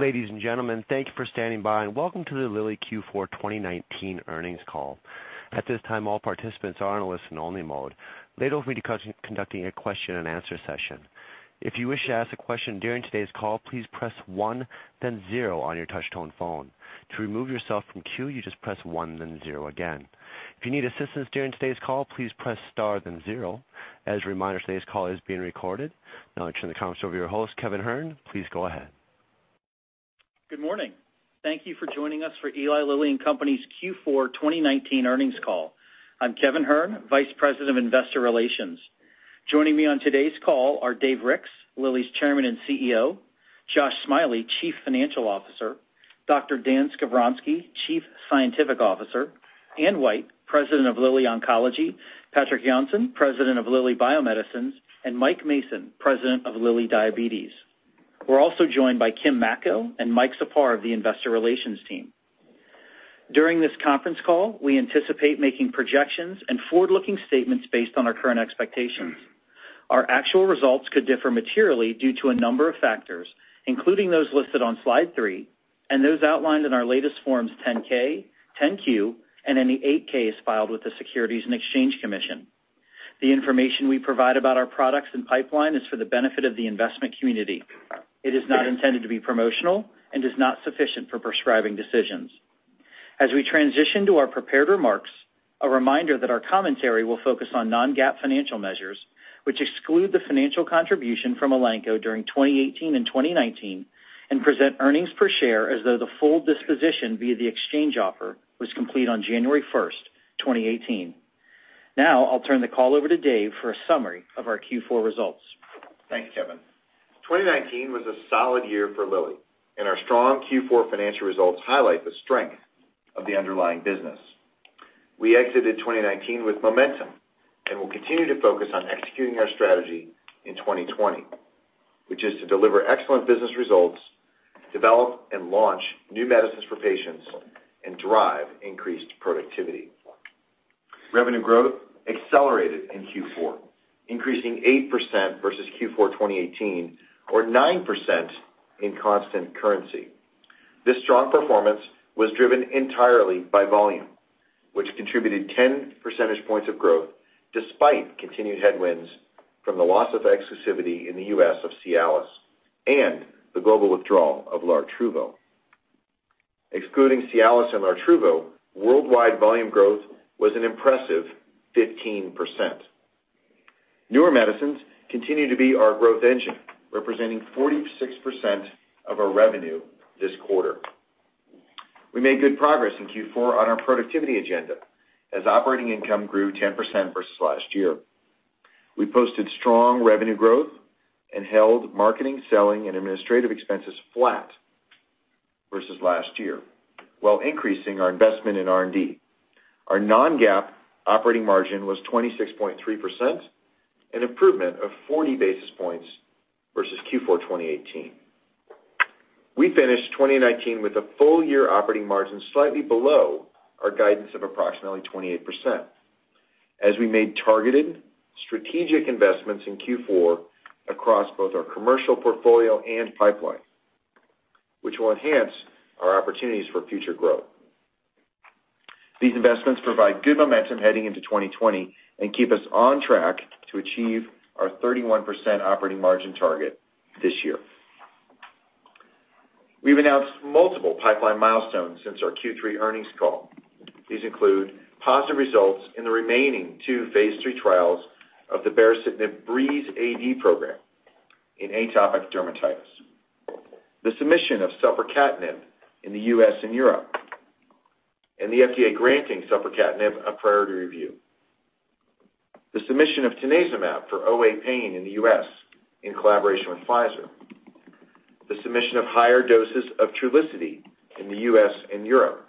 Ladies and gentlemen, thank you for standing by and welcome to the Lilly Q4 2019 earnings call. At this time, all participants are on a listen only mode. Later, we'll be conducting a question-and-answer session. If you wish to ask a question during today's call, please press one then zero on your touch tone phone. To remove yourself from queue, you just press one then zero again. If you need assistance during today's call, please press star then zero. As a reminder, today's call is being recorded. Now I turn the conference over to your host, Kevin Hern. Please go ahead. Good morning. Thank you for joining us for Eli Lilly and Company's Q4 2019 earnings call. I am Kevin Hern, Vice President of Investor Relations. Joining me on today's call are Dave Ricks, Lilly's Chairman and CEO, Josh Smiley, Chief Financial Officer, Dr. Dan Skovronsky, Chief Scientific Officer, Anne White, President of Lilly Oncology, Patrik Jonsson, President of Lilly Bio-Medicines, and Mike Mason, President of Lilly Diabetes. We are also joined by Kim Macco and Mike Czapar of the Investor Relations team. During this conference call, we anticipate making projections and forward-looking statements based on our current expectations. Our actual results could differ materially due to a number of factors, including those listed on slide three and those outlined in our latest Forms 10-K, 10-Q, and any 8-Ks filed with the Securities and Exchange Commission. The information we provide about our products and pipeline is for the benefit of the investment community. It is not intended to be promotional and is not sufficient for prescribing decisions. As we transition to our prepared remarks, a reminder that our commentary will focus on non-GAAP financial measures, which exclude the financial contribution from Elanco during 2018 and 2019, and present earnings per share as though the full disposition via the exchange offer was complete on January first, 2018. Now, I'll turn the call over to Dave for a summary of our Q4 results. Thank you, Kevin. 2019 was a solid year for Lilly, and our strong Q4 financial results highlight the strength of the underlying business. We exited 2019 with momentum and will continue to focus on executing our strategy in 2020, which is to deliver excellent business results, develop and launch new medicines for patients and drive increased productivity. Revenue growth accelerated in Q4, increasing 8% versus Q4 2018 or 9% in constant currency. This strong performance was driven entirely by volume, which contributed 10 percentage points of growth despite continued headwinds from the loss of exclusivity in the U.S. of Cialis and the global withdrawal of Lartruvo. Excluding Cialis and Lartruvo, worldwide volume growth was an impressive 15%. Newer medicines continue to be our growth engine, representing 46% of our revenue this quarter. We made good progress in Q4 on our productivity agenda as operating income grew 10% versus last year. We posted strong revenue growth and held marketing, selling, and administrative expenses flat versus last year while increasing our investment in R&D. Our non-GAAP operating margin was 26.3%, an improvement of 40 basis points versus Q4 2018. We finished 2019 with a full year operating margin slightly below our guidance of approximately 28% as we made targeted strategic investments in Q4 across both our commercial portfolio and pipeline, which will enhance our opportunities for future growth. These investments provide good momentum heading into 2020 and keep us on track to achieve our 31% operating margin target this year. We've announced multiple pipeline milestones since our Q3 earnings call. These include positive results in the remaining two phase III trials of the baricitinib BREEZE-AD program in atopic dermatitis. The submission of selpercatinib in the U.S. and Europe and the FDA granting selpercatinib a priority review. The submission of tanezumab for OA pain in the U.S. in collaboration with Pfizer. The submission of higher doses of Trulicity in the U.S. and Europe,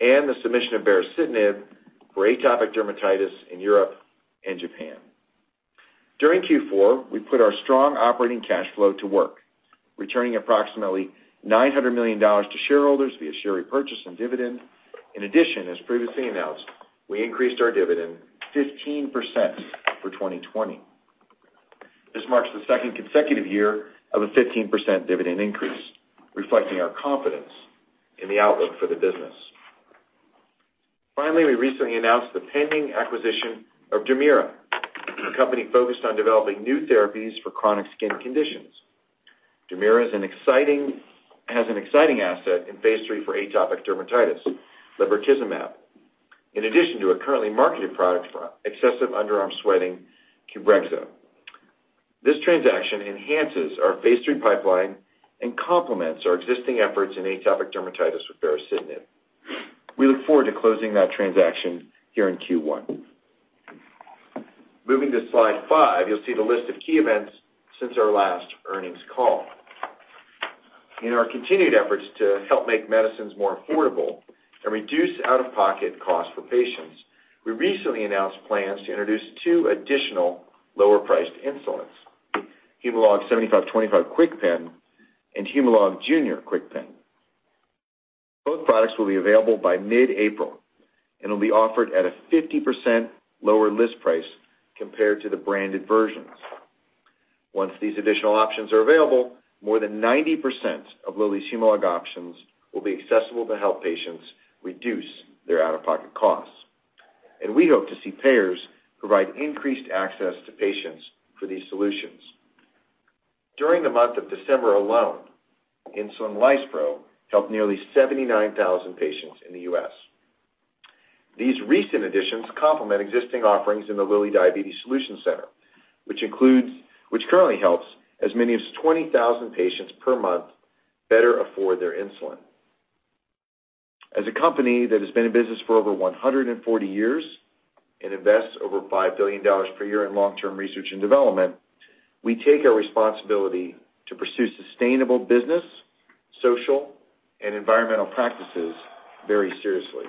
and the submission of baricitinib for atopic dermatitis in Europe and Japan. During Q4, we put our strong operating cash flow to work, returning approximately $900 million to shareholders via share repurchase and dividend. In addition, as previously announced, we increased our dividend 15% for 2020. This marks the second consecutive year of a 15% dividend increase, reflecting our confidence in the outlook for the business. We recently announced the pending acquisition of Dermira, a company focused on developing new therapies for chronic skin conditions. Dermira has an exciting asset in phase III for atopic dermatitis, lebrikizumab. In addition to a currently marketed product for excessive underarm sweating, QBREXZA. This transaction enhances our phase III pipeline and complements our existing efforts in atopic dermatitis with baricitinib. We look forward to closing that transaction here in Q1. Moving to slide five, you'll see the list of key events since our last earnings call. In our continued efforts to help make medicines more affordable and reduce out-of-pocket costs for patients, we recently announced plans to introduce two additional lower-priced insulins, Humalog 75/25 KwikPen and Humalog Junior KwikPen. Both products will be available by mid-April and will be offered at a 50% lower list price compared to the branded versions. Once these additional options are available, more than 90% of Lilly's Humalog options will be accessible to help patients reduce their out-of-pocket costs. We hope to see payers provide increased access to patients for these solutions. During the month of December alone, insulin lispro helped nearly 79,000 patients in the U.S. These recent additions complement existing offerings in the Lilly Diabetes Solution Center, which currently helps as many as 20,000 patients per month better afford their insulin. As a company that has been in business for over 140 years and invests over $5 billion per year in long-term research and development, we take our responsibility to pursue sustainable business, social, and environmental practices very seriously.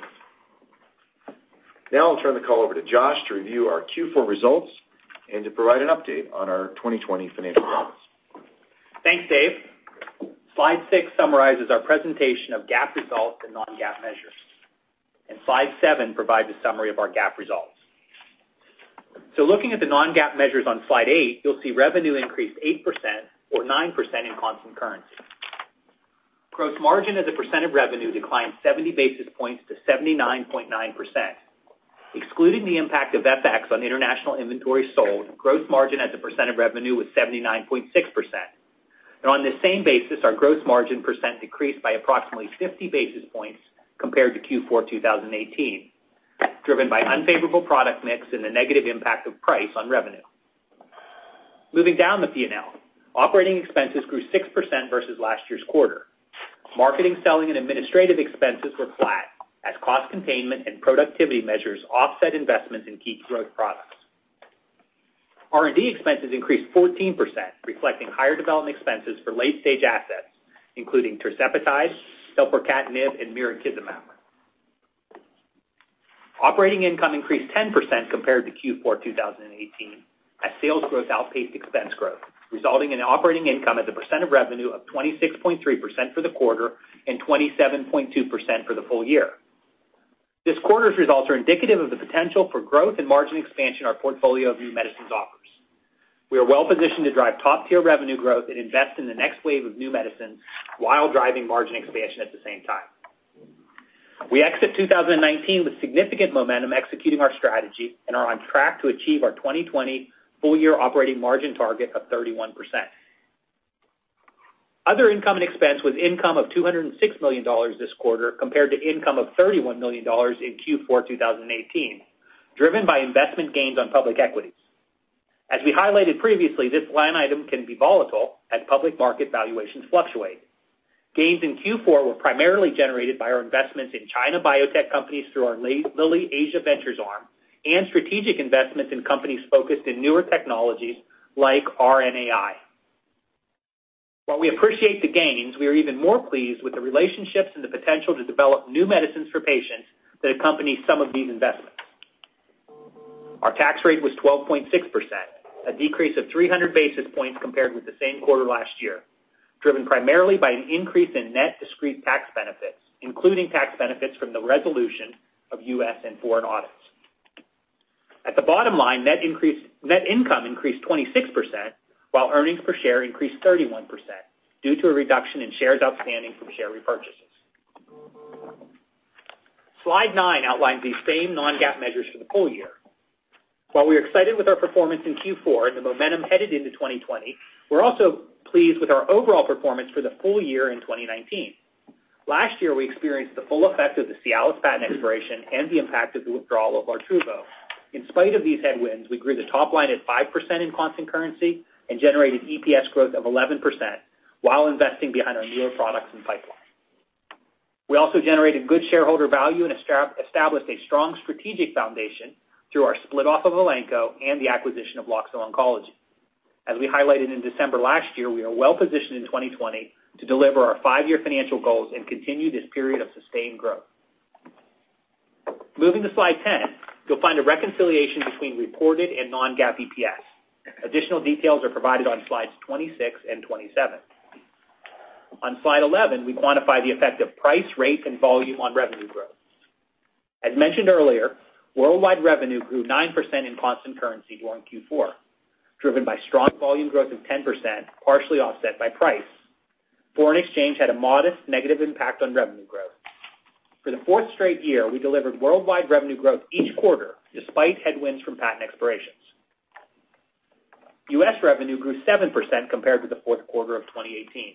Now I'll turn the call over to Josh to review our Q4 results and to provide an update on our 2020 financial goals. Thanks, Dave. Slide six summarizes our presentation of GAAP results and non-GAAP measures. Slide seven provides a summary of our GAAP results. Looking at the non-GAAP measures on slide eight, you'll see revenue increased 8% or 9% in constant currency. Gross margin as a percent of revenue declined 70 basis points to 79.9%. Excluding the impact of FX on international inventory sold, gross margin as a percent of revenue was 79.6%. On this same basis, our gross margin percent decreased by approximately 50 basis points compared to Q4 2018, driven by unfavorable product mix and the negative impact of price on revenue. Moving down the P&L, operating expenses grew 6% versus last year's quarter. Marketing, selling, and administrative expenses were flat as cost containment and productivity measures offset investments in key growth products. R&D expenses increased 14%, reflecting higher development expenses for late-stage assets, including tirzepatide, selpercatinib, and mirikizumab. Operating income increased 10% compared to Q4 2018 as sales growth outpaced expense growth, resulting in operating income as a percent of revenue of 26.3% for the quarter and 27.2% for the full year. This quarter's results are indicative of the potential for growth and margin expansion our portfolio of new medicines offers. We are well-positioned to drive top-tier revenue growth and invest in the next wave of new medicines while driving margin expansion at the same time. We exit 2019 with significant momentum executing our strategy and are on track to achieve our 2020 full-year operating margin target of 31%. Other income and expense was income of $206 million this quarter compared to income of $31 million in Q4 2018, driven by investment gains on public equities. As we highlighted previously, this line item can be volatile as public market valuations fluctuate. Gains in Q4 were primarily generated by our investments in China biotech companies through our Lilly Asia Ventures arm and strategic investments in companies focused in newer technologies like RNAi. While we appreciate the gains, we are even more pleased with the relationships and the potential to develop new medicines for patients that accompany some of these investments. Our tax rate was 12.6%, a decrease of 300 basis points compared with the same quarter last year, driven primarily by an increase in net discrete tax benefits, including tax benefits from the resolution of U.S. and foreign audits. At the bottom line, net income increased 26%, while earnings per share increased 31% due to a reduction in shares outstanding from share repurchases. Slide nine outlines these same non-GAAP measures for the full year. While we are excited with our performance in Q4 and the momentum headed into 2020, we're also pleased with our overall performance for the full year in 2019. Last year, we experienced the full effect of the Cialis patent expiration and the impact of the withdrawal of Lartruvo. In spite of these headwinds, we grew the top line at 5% in constant currency and generated EPS growth of 11% while investing behind our newer products and pipeline. We also generated good shareholder value and established a strong strategic foundation through our split off of Elanco and the acquisition of Loxo Oncology. As we highlighted in December last year, we are well-positioned in 2020 to deliver our five-year financial goals and continue this period of sustained growth. Moving to slide 10, you'll find a reconciliation between reported and non-GAAP EPS. Additional details are provided on slides 26 and 27. On slide 11, we quantify the effect of price, rate, and volume on revenue growth. As mentioned earlier, worldwide revenue grew 9% in constant currency during Q4, driven by strong volume growth of 10%, partially offset by price. Foreign exchange had a modest negative impact on revenue growth. For the fourth straight year, we delivered worldwide revenue growth each quarter, despite headwinds from patent expirations. U.S. revenue grew 7% compared with the fourth quarter of 2018.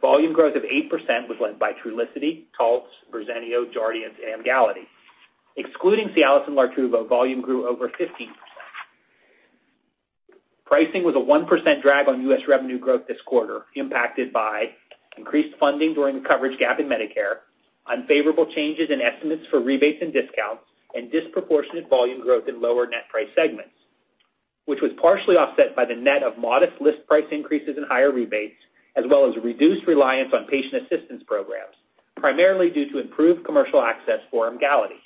Volume growth of 8% was led by Trulicity, Taltz, Verzenio, Jardiance, and Emgality. Excluding Cialis and Lartruvo, volume grew over 15%. Pricing was a 1% drag on U.S. revenue growth this quarter, impacted by increased funding during the coverage gap in Medicare, unfavorable changes in estimates for rebates and discounts, and disproportionate volume growth in lower net price segments, which was partially offset by the net of modest list price increases and higher rebates as well as reduced reliance on patient assistance programs, primarily due to improved commercial access for Emgality.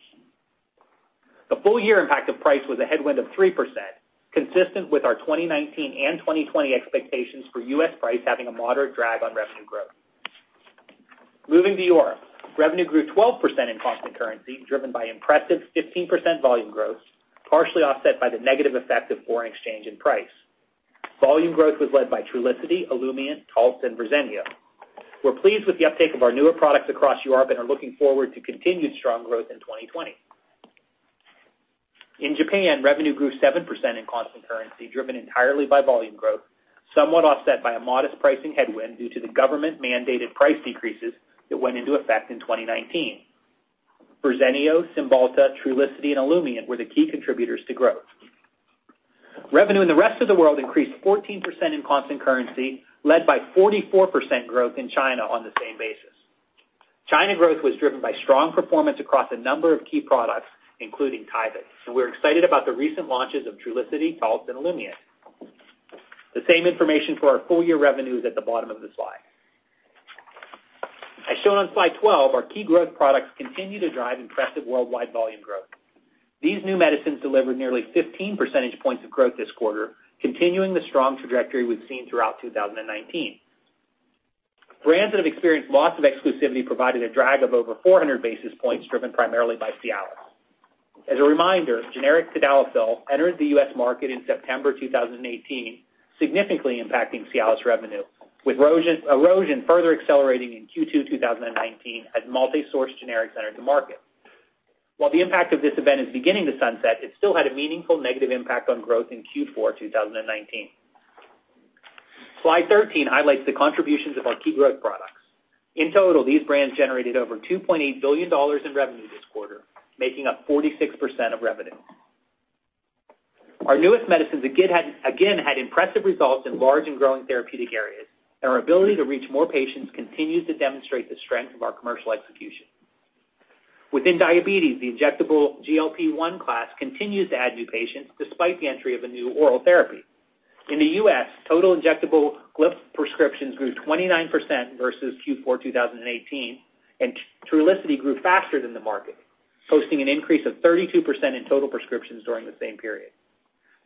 The full year impact of price was a headwind of 3%, consistent with our 2019 and 2020 expectations for U.S. price having a moderate drag on revenue growth. Moving to Europe, revenue grew 12% in constant currency, driven by impressive 15% volume growth, partially offset by the negative effect of foreign exchange and price. Volume growth was led by Trulicity, Olumiant, Taltz, and Verzenio. We're pleased with the uptake of our newer products across Europe and are looking forward to continued strong growth in 2020. In Japan, revenue grew 7% in constant currency, driven entirely by volume growth, somewhat offset by a modest pricing headwind due to the government-mandated price decreases that went into effect in 2019. Verzenio, Cymbalta, Trulicity, and Olumiant were the key contributors to growth. Revenue in the rest of the world increased 14% in constant currency, led by 44% growth in China on the same basis. China growth was driven by strong performance across a number of key products, including Tyvyt, and we're excited about the recent launches of Trulicity, Taltz, and Olumiant. The same information for our full-year revenue is at the bottom of the slide. As shown on slide 12, our key growth products continue to drive impressive worldwide volume growth. These new medicines delivered nearly 15 percentage points of growth this quarter, continuing the strong trajectory we've seen throughout 2019. Brands that have experienced loss of exclusivity provided a drag of over 400 basis points, driven primarily by Cialis. As a reminder, generic tadalafil entered the U.S. market in September 2018, significantly impacting Cialis revenue, with erosion further accelerating in Q2 2019 as multi-source generics entered the market. While the impact of this event is beginning to sunset, it still had a meaningful negative impact on growth in Q4 2019. Slide 13 highlights the contributions of our key growth products. In total, these brands generated over $2.8 billion in revenue this quarter, making up 46% of revenue. Our newest medicines again, had impressive results in large and growing therapeutic areas, and our ability to reach more patients continues to demonstrate the strength of our commercial execution. Within diabetes, the injectable GLP-1 class continues to add new patients despite the entry of a new oral therapy. In the U.S., total injectable GLP prescriptions grew 29% versus Q4 2018, and Trulicity grew faster than the market, posting an increase of 32% in total prescriptions during the same period.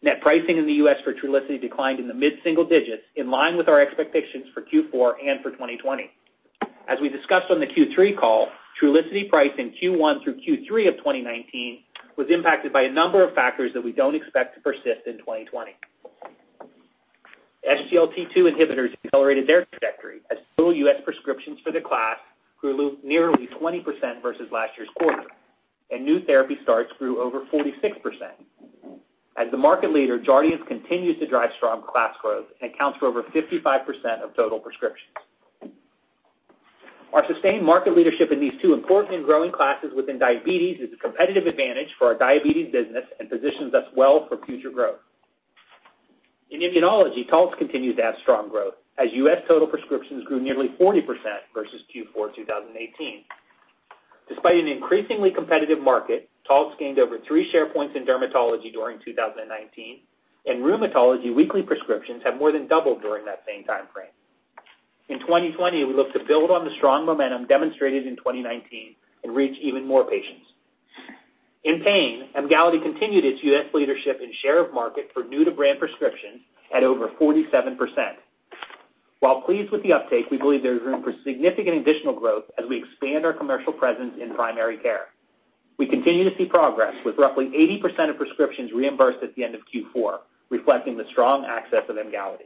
Net pricing in the U.S. for Trulicity declined in the mid-single digits in line with our expectations for Q4 and for 2020. As we discussed on the Q3 call, Trulicity price in Q1 through Q3 of 2019 was impacted by a number of factors that we don't expect to persist in 2020. SGLT2 inhibitors accelerated their trajectory as total U.S. prescriptions for the class grew nearly 20% versus last year's quarter, and new therapy starts grew over 46%. As the market leader, Jardiance continues to drive strong class growth and accounts for over 55% of total prescriptions. Our sustained market leadership in these two important and growing classes within diabetes is a competitive advantage for our diabetes business and positions us well for future growth. In immunology, Taltz continues to have strong growth as U.S. total prescriptions grew nearly 40% versus Q4 2018. Despite an increasingly competitive market, Taltz gained over three share points in dermatology during 2019, and rheumatology weekly prescriptions have more than doubled during that same timeframe. In 2020, we look to build on the strong momentum demonstrated in 2019 and reach even more patients. In pain, Emgality continued its U.S. leadership in share of market for new-to-brand prescriptions at over 47%. While pleased with the uptake, we believe there is room for significant additional growth as we expand our commercial presence in primary care. We continue to see progress, with roughly 80% of prescriptions reimbursed at the end of Q4, reflecting the strong access of Emgality.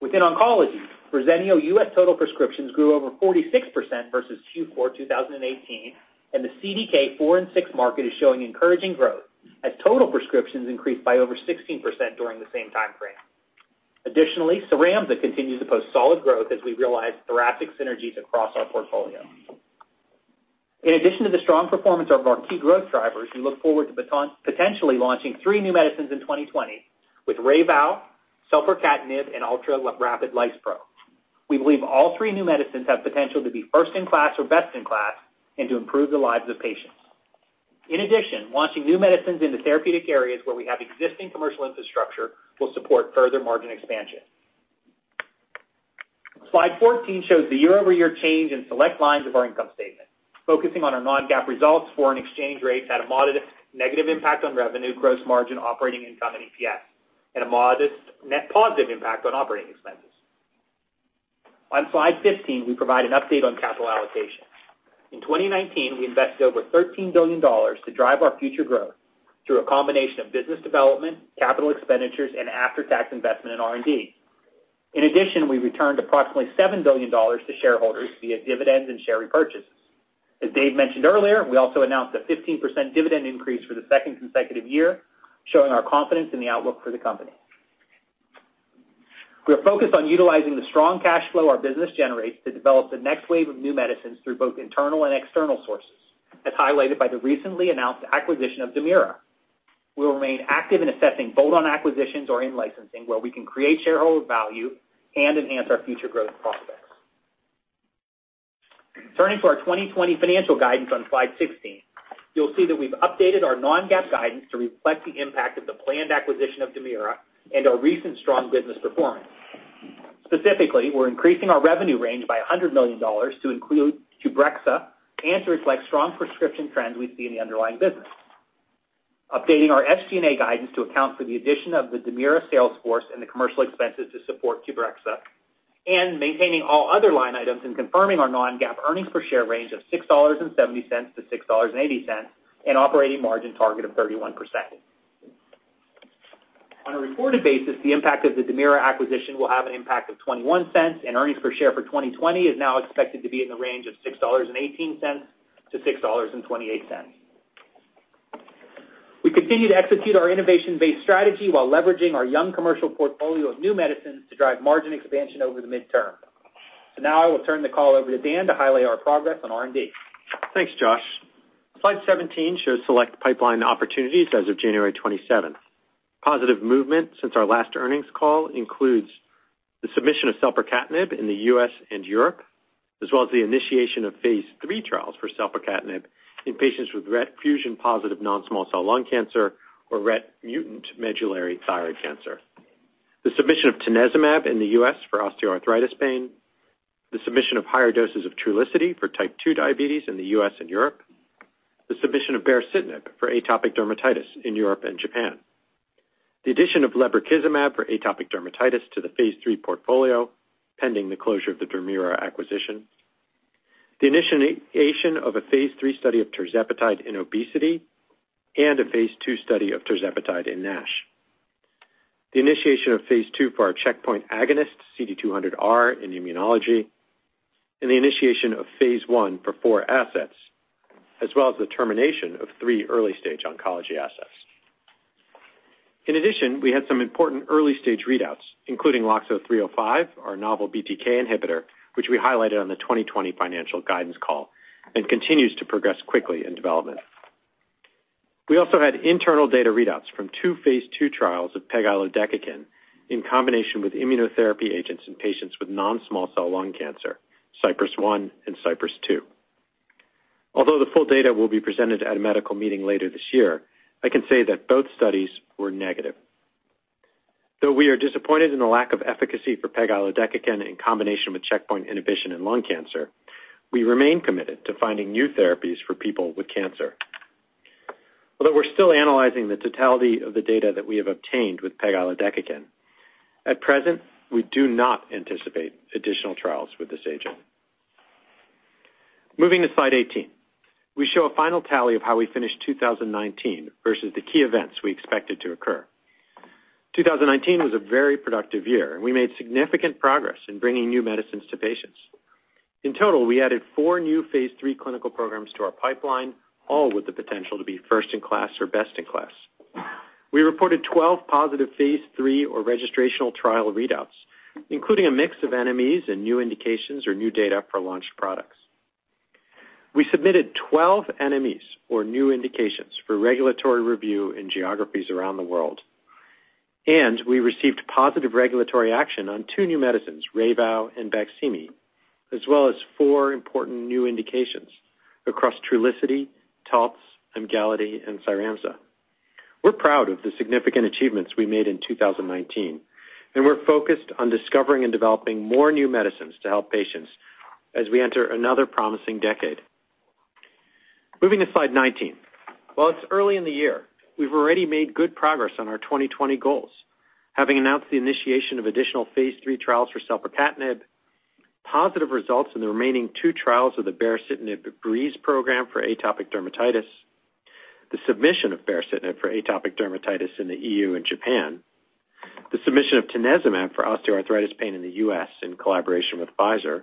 Within oncology, Verzenio U.S. total prescriptions grew over 46% versus Q4 2018, and the CDK4/6 market is showing encouraging growth as total prescriptions increased by over 16% during the same timeframe. Additionally, CYRAMZA continues to post solid growth as we realize thoracic synergies across our portfolio. In addition to the strong performance of our key growth drivers, we look forward to potentially launching three new medicines in 2020 with Reyvow, selpercatinib, and Ultra Rapid Lispro. We believe all three new medicines have potential to be first-in-class or best-in-class and to improve the lives of patients. In addition, launching new medicines into therapeutic areas where we have existing commercial infrastructure will support further margin expansion. Slide 14 shows the year-over-year change in select lines of our income statement. Focusing on our non-GAAP results, foreign exchange rates had a modest negative impact on revenue, gross margin, operating income, and EPS, and a modest net positive impact on operating expenses. On slide 15, we provide an update on capital allocation. In 2019, we invested over $13 billion to drive our future growth through a combination of business development, capital expenditures, and after-tax investment in R&D. In addition, we returned approximately $7 billion to shareholders via dividends and share repurchases. As Dave mentioned earlier, we also announced a 15% dividend increase for the second consecutive year, showing our confidence in the outlook for the company. We are focused on utilizing the strong cash flow our business generates to develop the next wave of new medicines through both internal and external sources, as highlighted by the recently announced acquisition of Dermira. We will remain active in assessing bolt-on acquisitions or in-licensing where we can create shareholder value and enhance our future growth prospects. Turning to our 2020 financial guidance on slide 16, you'll see that we've updated our non-GAAP guidance to reflect the impact of the planned acquisition of Dermira and our recent strong business performance. We're increasing our revenue range by $100 million to include QBREXZA and to reflect strong prescription trends we see in the underlying business. Updating our SG&A guidance to account for the addition of the Dermira sales force and the commercial expenses to support QBREXZA, maintaining all other line items and confirming our non-GAAP earnings per share range of $6.70-$6.80 and operating margin target of 31%. On a reported basis, the impact of the Dermira acquisition will have an impact of $0.21, earnings per share for 2020 is now expected to be in the range of $6.18-$6.28. We continue to execute our innovation-based strategy while leveraging our young commercial portfolio of new medicines to drive margin expansion over the midterm. Now I will turn the call over to Dan to highlight our progress on R&D. Thanks, Josh. Slide 17 shows select pipeline opportunities as of January 27th. Positive movement since our last earnings call includes the submission of selpercatinib in the U.S. and Europe, as well as the initiation of phase III trials for selpercatinib in patients with RET fusion-positive non-small cell lung cancer or RET mutant medullary thyroid cancer. The submission of tanezumab in the U.S. for osteoarthritis pain, the submission of higher doses of Trulicity for type 2 diabetes in the U.S. and Europe, the submission of baricitinib for atopic dermatitis in Europe and Japan. The addition of lebrikizumab for atopic dermatitis to the phase III portfolio, pending the closure of the Dermira acquisition. The initiation of a phase III study of tirzepatide in obesity and a phase II study of tirzepatide in NASH. The initiation of phase II for our checkpoint agonist CD200R in immunology, and the initiation of phase I for four assets, as well as the termination of three early-stage oncology assets. In addition, we had some important early-stage readouts, including LOXO-305, our novel BTK inhibitor, which we highlighted on the 2020 financial guidance call and continues to progress quickly in development. We also had internal data readouts from two phase II trials of pegilodecakin in combination with immunotherapy agents in patients with non-small cell lung cancer, CYPRESS 1 and CYPRESS 2. Although the full data will be presented at a medical meeting later this year, I can say that both studies were negative. Though we are disappointed in the lack of efficacy for pegilodecakin in combination with checkpoint inhibition in lung cancer, we remain committed to finding new therapies for people with cancer. Although we are still analyzing the totality of the data that we have obtained with pegilodecakin, at present, we do not anticipate additional trials with this agent. Moving to slide 18. We show a final tally of how we finished 2019 versus the key events we expected to occur. 2019 was a very productive year, and we made significant progress in bringing new medicines to patients. In total, we added four new phase III clinical programs to our pipeline, all with the potential to be first-in-class or best-in-class. We reported 12 positive phase III or registrational trial readouts, including a mix of NMEs and new indications or new data for launched products. We submitted 12 NMEs or new indications for regulatory review in geographies around the world, and we received positive regulatory action on two new medicines, Reyvow and BAQSIMI, as well as four important new indications across Trulicity, Taltz, Emgality, and CYRAMZA. We're proud of the significant achievements we made in 2019, and we're focused on discovering and developing more new medicines to help patients as we enter another promising decade. Moving to slide 19. While it's early in the year, we've already made good progress on our 2020 goals, having announced the initiation of additional phase III trials for selpercatinib, positive results in the remaining two trials of the baricitinib BREEZE program for atopic dermatitis, the submission of baricitinib for atopic dermatitis in the EU and Japan, the submission of tanezumab for osteoarthritis pain in the U.S. in collaboration with Pfizer,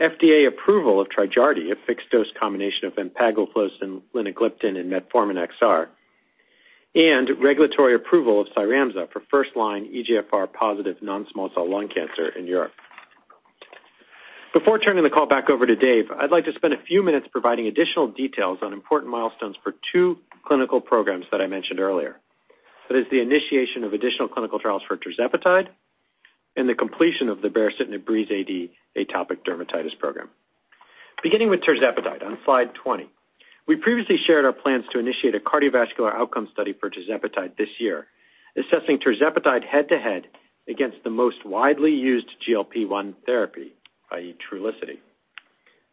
FDA approval of TRIJARDY, a fixed-dose combination of empagliflozin, linagliptin, and metformin XR, and regulatory approval of CYRAMZA for first-line EGFR-positive non-small cell lung cancer in Europe. Before turning the call back over to Dave, I'd like to spend a few minutes providing additional details on important milestones for two clinical programs that I mentioned earlier. That is the initiation of additional clinical trials for tirzepatide and the completion of the baricitinib BREEZE-AD atopic dermatitis program. Beginning with tirzepatide on slide 20. We previously shared our plans to initiate a cardiovascular outcome study for tirzepatide this year, assessing tirzepatide head-to-head against the most widely used GLP-1 therapy, i.e., Trulicity.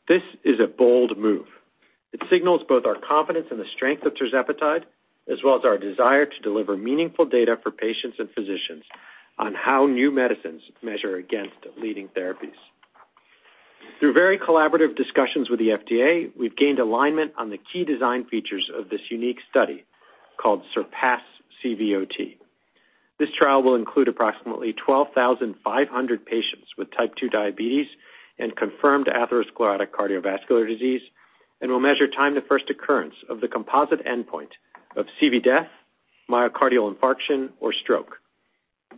This is a bold move. It signals both our confidence in the strength of tirzepatide as well as our desire to deliver meaningful data for patients and physicians on how new medicines measure against leading therapies. Through very collaborative discussions with the FDA, we've gained alignment on the key design features of this unique study called SURPASS-CVOT. This trial will include approximately 12,500 patients with type 2 diabetes and confirmed atherosclerotic cardiovascular disease and will measure time to first occurrence of the composite endpoint of CV death, myocardial infarction, or stroke.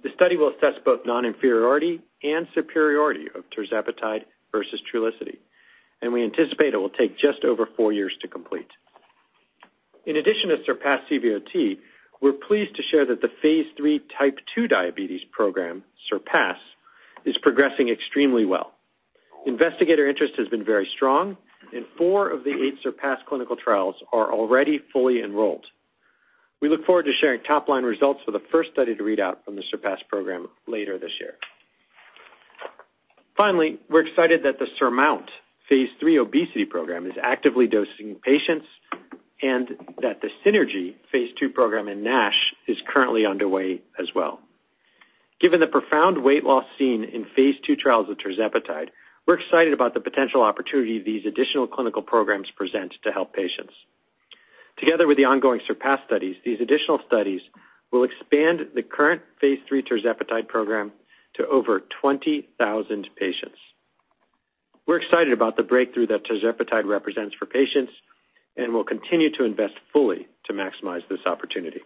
The study will assess both non-inferiority and superiority of tirzepatide versus Trulicity, and we anticipate it will take just over four years to complete. In addition to SURPASS-CVOT, we're pleased to share that the phase III type 2 diabetes program, SURPASS, is progressing extremely well. Investigator interest has been very strong, and four of the eight SURPASS clinical trials are already fully enrolled. We look forward to sharing top-line results for the first study to read out from the SURPASS program later this year. We're excited that the SURMOUNT phase III obesity program is actively dosing patients and that the SYNERGY phase II program in NASH is currently underway as well. Given the profound weight loss seen in phase II trials with tirzepatide, we're excited about the potential opportunity these additional clinical programs present to help patients. Together with the ongoing SURPASS studies, these additional studies will expand the current phase III tirzepatide program to over 20,000 patients. We're excited about the breakthrough that tirzepatide represents for patients, and we'll continue to invest fully to maximize this opportunity.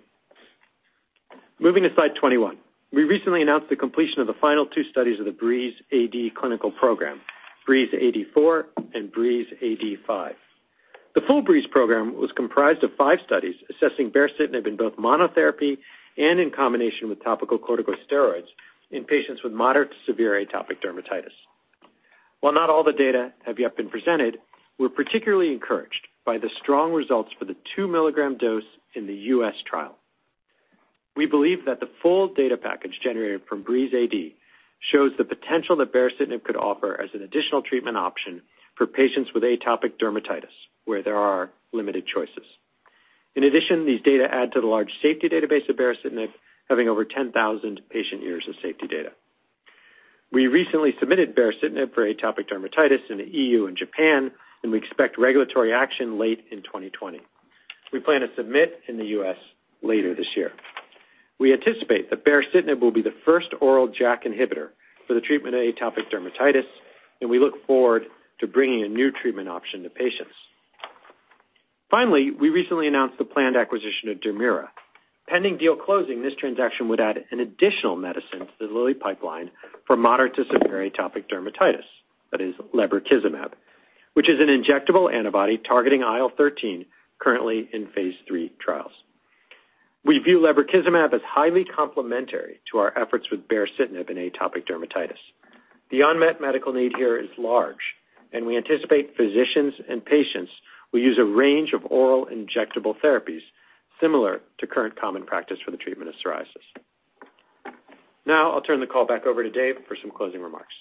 Moving to slide 21. We recently announced the completion of the final two studies of the BREEZE-AD clinical program, BREEZE-AD4 and BREEZE-AD5. The full BREEZE program was comprised of five studies assessing baricitinib in both monotherapy and in combination with topical corticosteroids in patients with moderate to severe atopic dermatitis. While not all the data have yet been presented, we're particularly encouraged by the strong results for the 2 mg dose in the U.S. trial. We believe that the full data package generated from BREEZE-AD shows the potential that baricitinib could offer as an additional treatment option for patients with atopic dermatitis, where there are limited choices. In addition, these data add to the large safety database of baricitinib, having over 10,000 patient years of safety data. We recently submitted baricitinib for atopic dermatitis in the EU and Japan. We expect regulatory action late in 2020. We plan to submit in the U.S. later this year. We anticipate that baricitinib will be the first oral JAK inhibitor for the treatment of atopic dermatitis. We look forward to bringing a new treatment option to patients. We recently announced the planned acquisition of Dermira. Pending deal closing, this transaction would add an additional medicine to the Lilly pipeline for moderate to severe atopic dermatitis, that is lebrikizumab, which is an injectable antibody targeting IL-13, currently in phase III trials. We view lebrikizumab as highly complementary to our efforts with baricitinib in atopic dermatitis. The unmet medical need here is large, and we anticipate physicians and patients will use a range of oral injectable therapies similar to current common practice for the treatment of psoriasis. Now I'll turn the call back over to Dave for some closing remarks.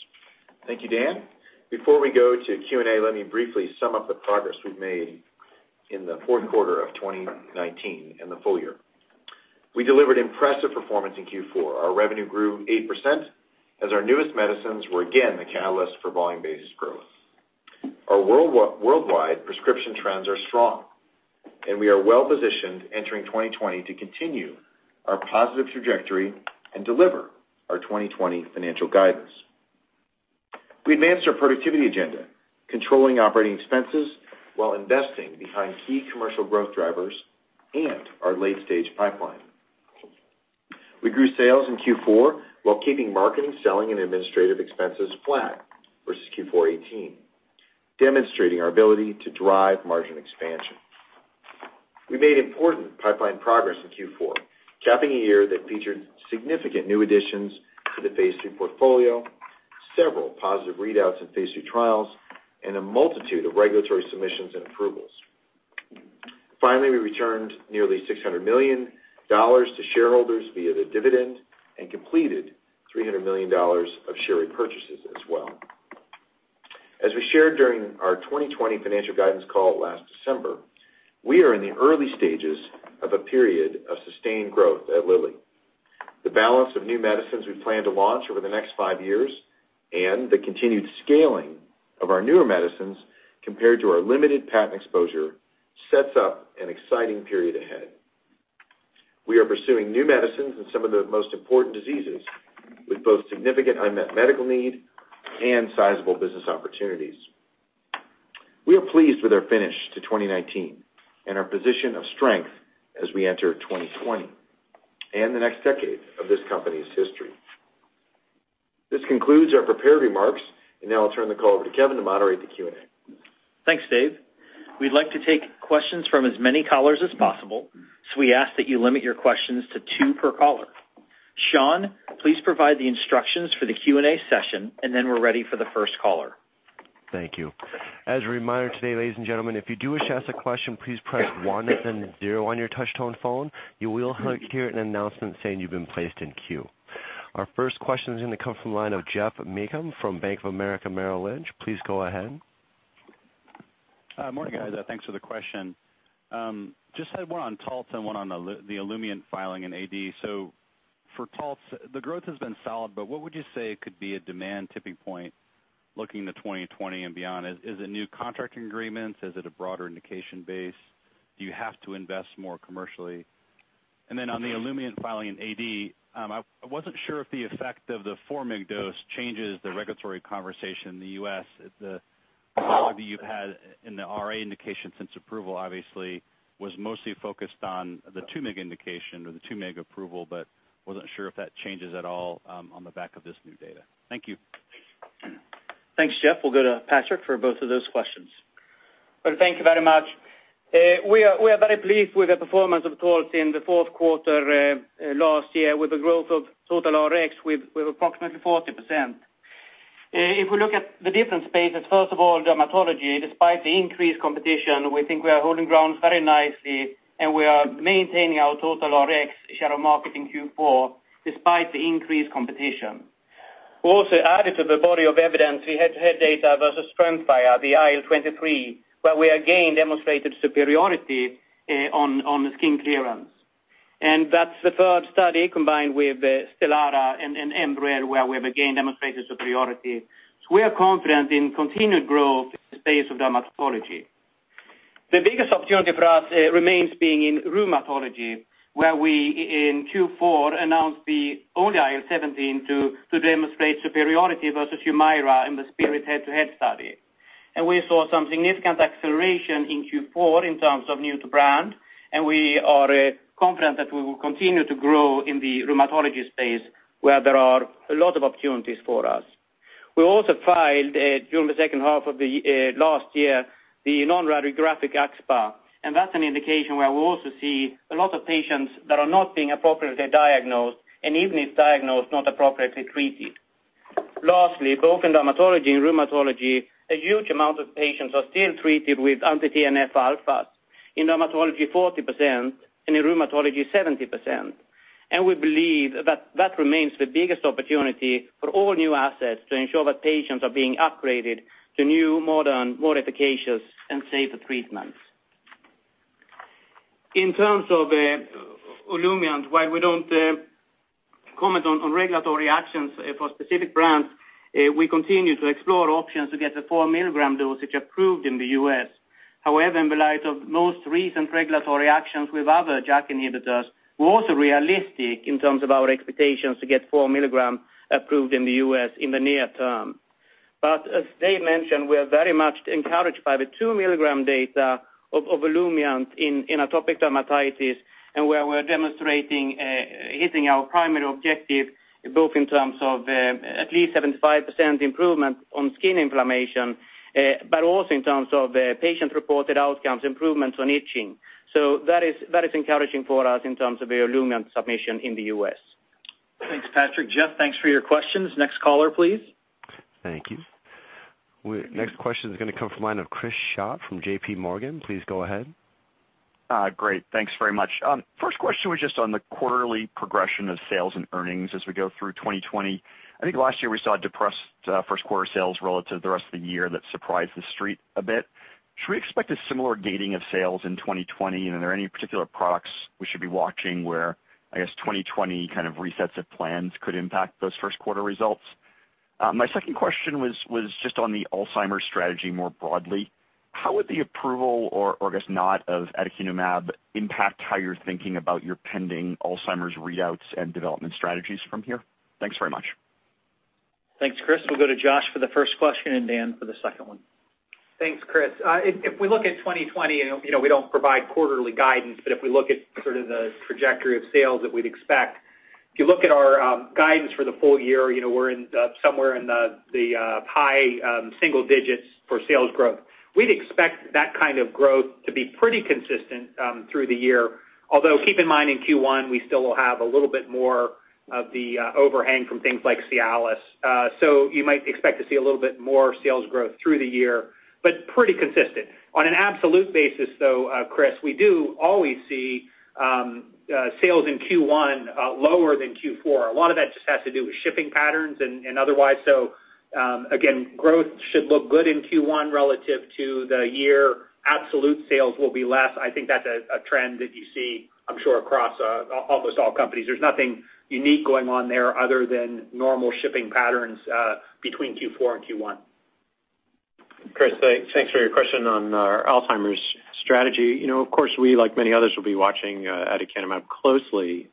Thank you, Dan. Before we go to Q&A, let me briefly sum up the progress we've made in the fourth quarter of 2019 and the full year. We delivered impressive performance in Q4. Our revenue grew 8% as our newest medicines were again the catalyst for volume-based growth. Our worldwide prescription trends are strong, and we are well-positioned entering 2020 to continue our positive trajectory and deliver our 2020 financial guidance. We advanced our productivity agenda, controlling operating expenses while investing behind key commercial growth drivers and our late-stage pipeline. We grew sales in Q4 while keeping marketing, selling, and administrative expenses flat versus Q4 2018, demonstrating our ability to drive margin expansion. We made important pipeline progress in Q4, capping a year that featured significant new additions to the phase III portfolio, several positive readouts in phase III trials, and a multitude of regulatory submissions and approvals. Finally, we returned nearly $600 million to shareholders via the dividend and completed $300 million of share repurchases as well. As we shared during our 2020 financial guidance call last December, we are in the early stages of a period of sustained growth at Lilly. The balance of new medicines we plan to launch over the next five years and the continued scaling of our newer medicines compared to our limited patent exposure sets up an exciting period ahead. We are pursuing new medicines in some of the most important diseases with both significant unmet medical need and sizable business opportunities. We are pleased with our finish to 2019 and our position of strength as we enter 2020 and the next decade of this company's history. This concludes our prepared remarks. Now I'll turn the call over to Kevin to moderate the Q&A. Thanks, Dave. We'd like to take questions from as many callers as possible, so we ask that you limit your questions to two per caller. Sean, please provide the instructions for the Q&A session, and then we're ready for the first caller. Thank you. As a reminder today, ladies and gentlemen, if you do wish to ask a question, please press one then zero on your touch-tone phone. You will hear an announcement saying you've been placed in queue. Our first question is gonna come from the line of Geoff Meacham from Bank of America Merrill Lynch. Please go ahead. Morning, guys. Thanks for the question. Just had one on Taltz and one on the Olumiant filing in AD. For Taltz, the growth has been solid, but what would you say could be a demand tipping point looking to 2020 and beyond? Is it new contracting agreements? Is it a broader indication base? Do you have to invest more commercially? On the Olumiant filing in AD, I wasn't sure if the effect of the 4 mg dose changes the regulatory conversation in the U.S. The dialogue that you've had in the RA indication since approval obviously was mostly focused on the 2 mg indication or the 2 mg approval, but wasn't sure if that changes at all on the back of this new data. Thank you. Thanks, Geoff We'll go to Patrik for both of those questions. Thank you very much. We are very pleased with the performance of Taltz in the fourth quarter last year with the growth of total RX with approximately 40%. If we look at the different spaces, first of all, dermatology, despite the increased competition, we think we are holding ground very nicely, and we are maintaining our total RX share of market in Q4 despite the increased competition. Added to the body of evidence, we had head-to-head data versus TREMFYA, the IL-23, where we again demonstrated superiority on the skin clearance. That's the third study combined with Stelara and Enbrel, where we have again demonstrated superiority. We are confident in continued growth in the space of dermatology. The biggest opportunity for us remains being in rheumatology, where we in Q4 announced the only IL-17 to demonstrate superiority versus Humira in the SPIRIT-H2H head-to-head study. We saw some significant acceleration in Q4 in terms of new to brand, and we are confident that we will continue to grow in the rheumatology space, where there are a lot of opportunities for us. We also filed during the second half of the last year, the non-radiographic axSpA, and that's an indication where we also see a lot of patients that are not being appropriately diagnosed, and even if diagnosed, not appropriately treated. Lastly, both in dermatology and rheumatology, a huge amount of patients are still treated with anti-TNF. In dermatology, 40%, and in rheumatology, 70%. We believe that that remains the biggest opportunity for all new assets to ensure that patients are being upgraded to new, modern, more efficacious, and safer treatments. In terms of Olumiant, while we don't comment on regulatory actions for specific brands, we continue to explore options to get the 4 mg dosage approved in the U.S. However, in light of most recent regulatory actions with other JAK inhibitors, we're also realistic in terms of our expectations to get 4 mg approved in the U.S. in the near term. As Dave mentioned, we are very much encouraged by the 2 mg data of Olumiant in atopic dermatitis, and where we're demonstrating hitting our primary objective, both in terms of at least 75% improvement on skin inflammation, but also in terms of patient-reported outcomes, improvements on itching. That is encouraging for us in terms of the Olumiant submission in the U.S. Thanks, Patrik. Geoff, thanks for your questions. Next caller, please. Thank you. Next question is gonna come from the line of Chris Schott from J.P. Morgan. Please go ahead. Great. Thanks very much. First question was just on the quarterly progression of sales and earnings as we go through 2020. I think last year we saw depressed first quarter sales relative to the rest of the year that surprised the Street a bit. Should we expect a similar gating of sales in 2020? Are there any particular products we should be watching where, I guess, 2020 kind of resets of plans could impact those first quarter results? My second question was just on the Alzheimer's strategy more broadly. How would the approval or I guess not, of aducanumab impact how you're thinking about your pending Alzheimer's readouts and development strategies from here? Thanks very much. Thanks, Chris. We'll go to Josh for the first question and Dan for the second one. Thanks, Chris. If we look at 2020, you know, we don't provide quarterly guidance, but if we look at sort of the trajectory of sales that we'd expect, if you look at our guidance for the full year, you know, we're in somewhere in the high single digits for sales growth. We'd expect that kind of growth to be pretty consistent through the year. Keep in mind, in Q1, we still will have a little bit more of the overhang from things like Cialis. You might expect to see a little bit more sales growth through the year, but pretty consistent. An absolute basis, though, Chris, we do always see sales in Q1 lower than Q4. A lot of that just has to do with shipping patterns and otherwise. Again, growth should look good in Q1 relative to the year. Absolute sales will be less. I think that's a trend that you see, I'm sure, across almost all companies. There's nothing unique going on there other than normal shipping patterns between Q4 and Q1. Chris, thanks for your question on our Alzheimer's strategy. You know, of course, we, like many others, will be watching aducanumab closely.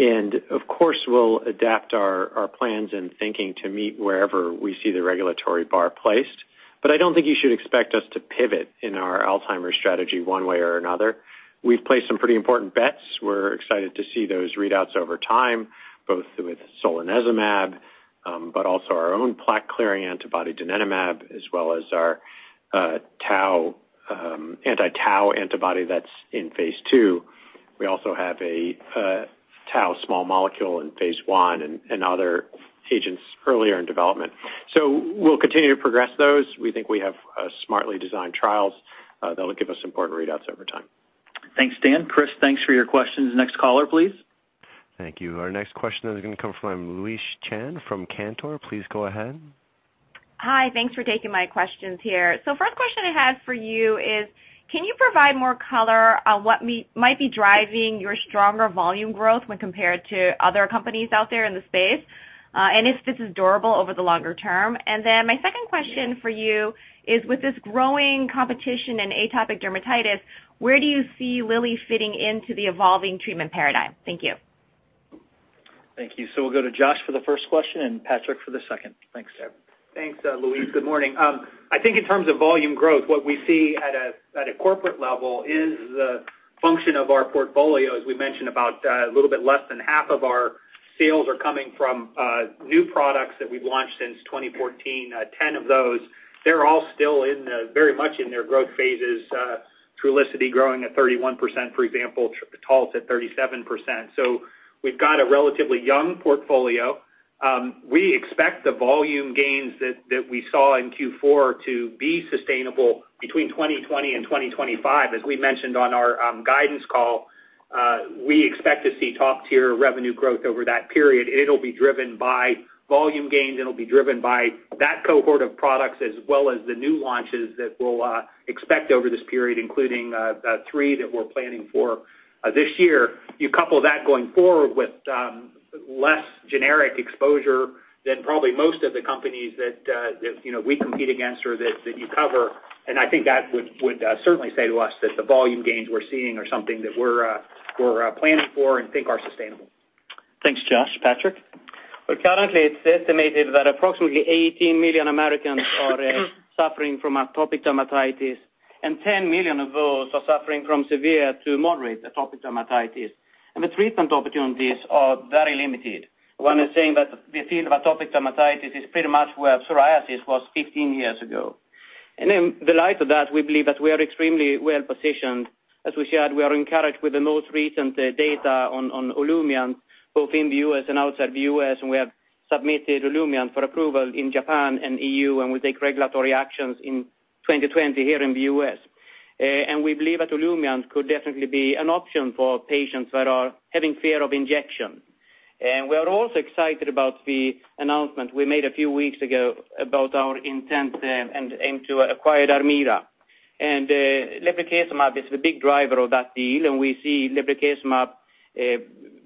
Of course, we'll adapt our plans and thinking to meet wherever we see the regulatory bar placed. I don't think you should expect us to pivot in our Alzheimer's strategy one way or another. We've placed some pretty important bets. We're excited to see those readouts over time, both with solanezumab, also our own plaque-clearing antibody, donanemab, as well as our tau anti-tau antibody that's in phase II. We also have a tau small molecule in phase I and other agents earlier in development. We'll continue to progress those. We think we have smartly designed trials that'll give us important readouts over time. Thanks, Dan. Chris, thanks for your questions. Next caller, please. Thank you. Our next question is going to come from Louise Chen from Cantor. Please go ahead. Hi. Thanks for taking my questions here. First question I have for you is, can you provide more color on what might be driving your stronger volume growth when compared to other companies out there in the space, and if this is durable over the longer term? My second question for you is, with this growing competition in atopic dermatitis, where do you see Lilly fitting into the evolving treatment paradigm? Thank you. Thank you. We'll go to Josh for the first question and Patrik for the second. Thanks. Sure. Thanks, Louise. Good morning. I think in terms of volume growth, what we see at a corporate level is the function of our portfolio. As we mentioned, about a little bit less than half of our sales are coming from new products that we've launched since 2014. 10 of those, they're all still very much in their growth phases. Trulicity growing at 31%, for example, Taltz at 37%. We've got a relatively young portfolio. We expect the volume gains that we saw in Q4 to be sustainable between 2020 and 2025. As we mentioned on our guidance call, we expect to see top-tier revenue growth over that period. It'll be driven by volume gains, it'll be driven by that cohort of products as well as the new launches that we'll expect over this period, including the three that we're planning for this year. You couple that going forward with less generic exposure than probably most of the companies that, you know, we compete against or that you cover. I think that would certainly say to us that the volume gains we're seeing are something that we're planning for and think are sustainable. Thanks, Josh. Patrik? Well, currently it's estimated that approximately 18 million Americans are suffering from atopic dermatitis, 10 million of those are suffering from severe to moderate atopic dermatitis. The treatment opportunities are very limited. One is saying that the field of atopic dermatitis is pretty much where psoriasis was 15 years ago. In the light of that, we believe that we are extremely well-positioned. As we shared, we are encouraged with the most recent data on Olumiant, both in the U.S. and outside the U.S., we have submitted Olumiant for approval in Japan and EU, we'll take regulatory actions in 2020 here in the U.S. We believe that Olumiant could definitely be an option for patients that are having fear of injection. We are also excited about the announcement we made a few weeks ago about our intent to acquire Dermira. lebrikizumab is the big driver of that deal, and we see lebrikizumab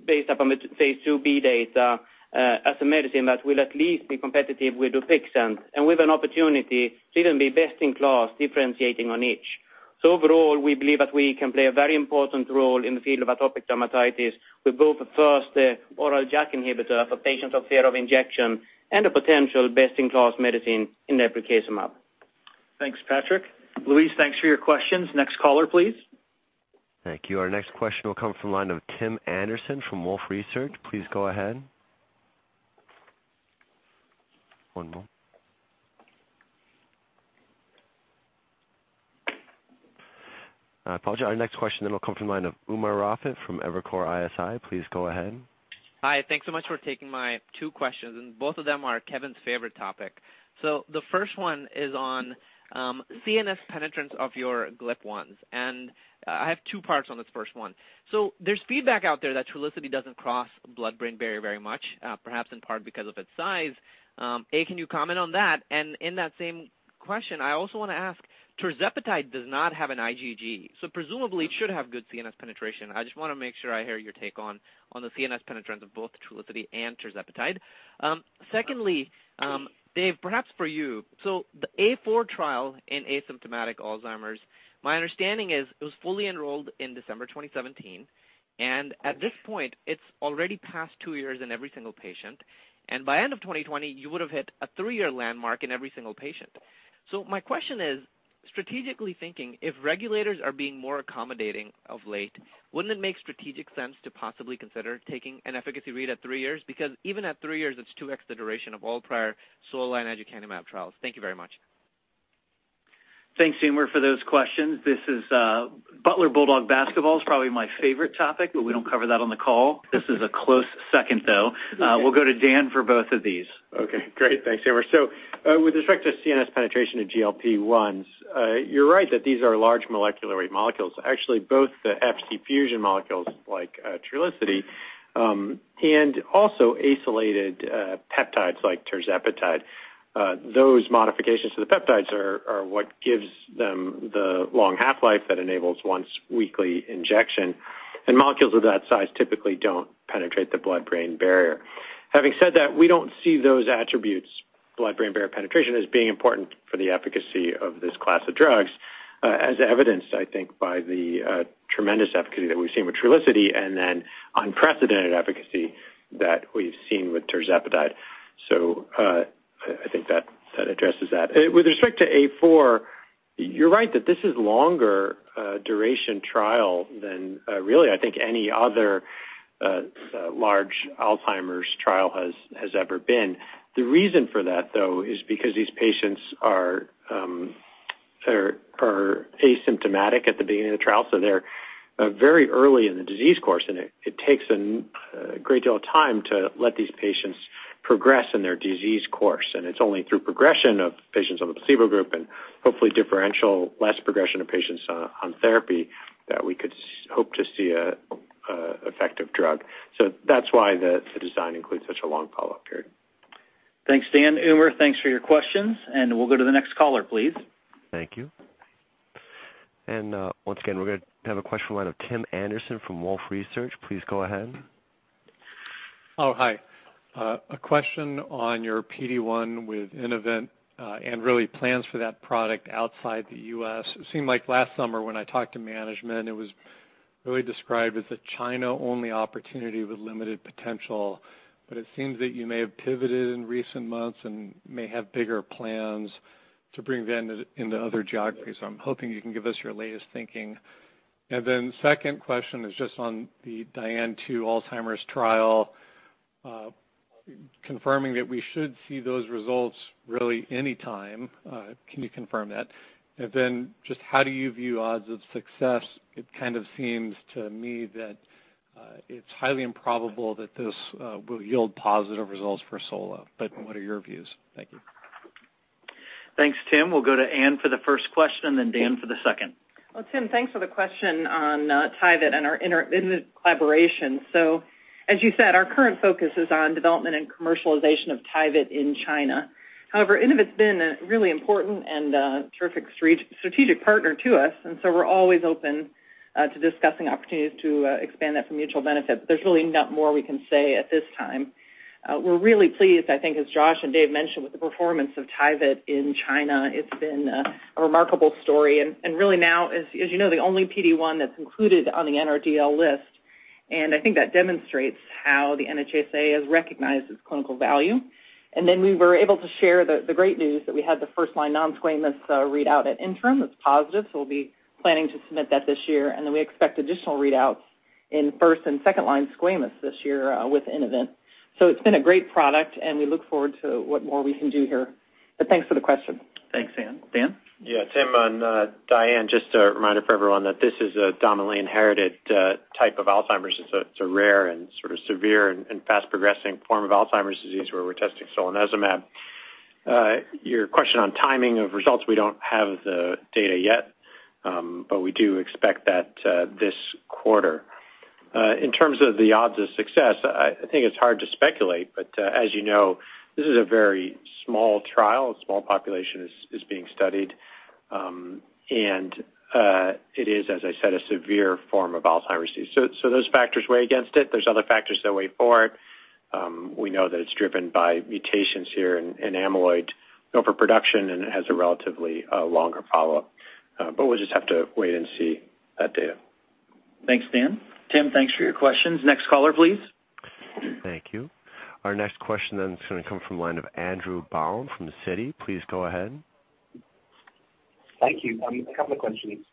based upon the phase II-b data as a medicine that will at least be competitive with DUPIXENT, and with an opportunity to even be best in class differentiating on each. Overall, we believe that we can play a very important role in the field of atopic dermatitis with both the first oral JAK inhibitor for patients with fear of injection and a potential best-in-class medicine in lebrikizumab. Thanks, Patrik. Louise, thanks for your questions. Next caller, please. Thank you. Our next question will come from line of Tim Anderson from Wolfe Research. Please go ahead. One moment. I apologize. Our next question then will come from line of Umer Raffat from Evercore ISI. Please go ahead. Hi. Thanks so much for taking my two questions, both of them are Kevin's favorite topic. The first one is on CNS penetrance of your GLP-1s, I have two parts on this first one. There's feedback out there that Trulicity doesn't cross blood-brain barrier very much, perhaps in part because of its size. A, can you comment on that? In that same question, I also wanna ask, tirzepatide does not have an IgG, presumably it should have good CNS penetration. I just wanna make sure I hear your take on the CNS penetrance of both Trulicity and tirzepatide. Secondly, Dave, perhaps for you. The A4 trial in asymptomatic Alzheimer's, my understanding is it was fully enrolled in December 2017, at this point, it's already past two years in every single patient. By end of 2020, you would've hit a three-year landmark in every single patient. My question is, strategically thinking, if regulators are being more accommodating of late, wouldn't it make strategic sense to possibly consider taking an efficacy read at three years? Even at three years, it's 2x the duration of all prior solanezumab trials. Thank you very much. Thanks, Umer, for those questions. This is Butler Bulldog Basketball is probably my favorite topic, but we don't cover that on the call. This is a close second, though. We'll go to Dan for both of these. Okay, great. Thanks, Umer. With respect to CNS penetration of GLP-1s, you're right that these are large molecular weight molecules. Actually, both the Fc fusion molecules like Trulicity, and also isolated peptides like tirzepatide. Those modifications to the peptides are what gives them the long half-life that enables once-weekly injection. Molecules of that size typically don't penetrate the blood-brain barrier. Having said that, we don't see those attributes, blood-brain barrier penetration, as being important for the efficacy of this class of drugs, as evidenced, I think, by the tremendous efficacy that we've seen with Trulicity and then unprecedented efficacy that we've seen with tirzepatide. I think that addresses that. With respect to A4, you're right that this is longer duration trial than really I think any other large Alzheimer's trial has ever been. The reason for that, though, is because these patients are asymptomatic at the beginning of the trial, so they're very early in the disease course, and it takes a great deal of time to let these patients progress in their disease course. It's only through progression of patients on the placebo group and hopefully differential less progression of patients on therapy that we could hope to see an effective drug. That's why the design includes such a long follow-up period. Thanks, Dan. Umer, thanks for your questions, and we'll go to the next caller, please. Thank you. Once again, we're gonna have a question in line of Tim Anderson from Wolfe Research. Please go ahead. Hi. A question on your PD-1 with Innovent, really plans for that product outside the U.S. It seemed like last summer when I talked to management, it was really described as a China-only opportunity with limited potential, it seems that you may have pivoted in recent months and may have bigger plans to bring Tyvyt into other geographies. I'm hoping you can give us your latest thinking. Second question is just on the DIAN-TU Alzheimer's trial, confirming that we should see those results really anytime. Can you confirm that? Just how do you view odds of success? It kind of seems to me that it's highly improbable that this will yield positive results for solanezumab, what are your views? Thank you. Thanks, Tim. We'll go to Anne for the first question, then Dan for the second. Well, Tim, thanks for the question on Tyvyt and our Innovent collaboration. As you said, our current focus is on development and commercialization of Tyvyt in China. However, Innovent's been a really important and terrific strategic partner to us, we're always open to discussing opportunities to expand that for mutual benefit. There's really not more we can say at this time. We're really pleased, I think, as Josh and Dave mentioned, with the performance of Tyvyt in China. It's been a remarkable story and really now is, as you know, the only PD1 that's included on the NRDL list, I think that demonstrates how the NHSA has recognized its clinical value. We were able to share the great news that we had the first-line non-squamous readout at interim. That's positive, so we'll be planning to submit that this year, and then we expect additional readouts in first and second-line squamous this year with Innovent. It's been a great product, and we look forward to what more we can do here. Thanks for the question. Thanks, Anne. Dan? Tim, on DIAN-TU just a reminder for everyone that this is a dominantly inherited type of Alzheimer's. It's a rare and sort of severe and fast-progressing form of Alzheimer's disease where we're testing solanezumab. Your question on timing of results, we don't have the data yet, we do expect that this quarter. In terms of the odds of success, I think it's hard to speculate, as you know, this is a very small trial. A small population is being studied. It is, as I said, a severe form of Alzheimer's disease. Those factors weigh against it. There's other factors that weigh for it. We know that it's driven by mutations here in amyloid overproduction, it has a relatively longer follow-up. We'll just have to wait and see that data. Thanks, Dan. Tim, thanks for your questions. Next caller, please. Thank you. Our next question then is gonna come from the line of Andrew Baum from the Citi. Please go ahead. Thank you. A couple of questions.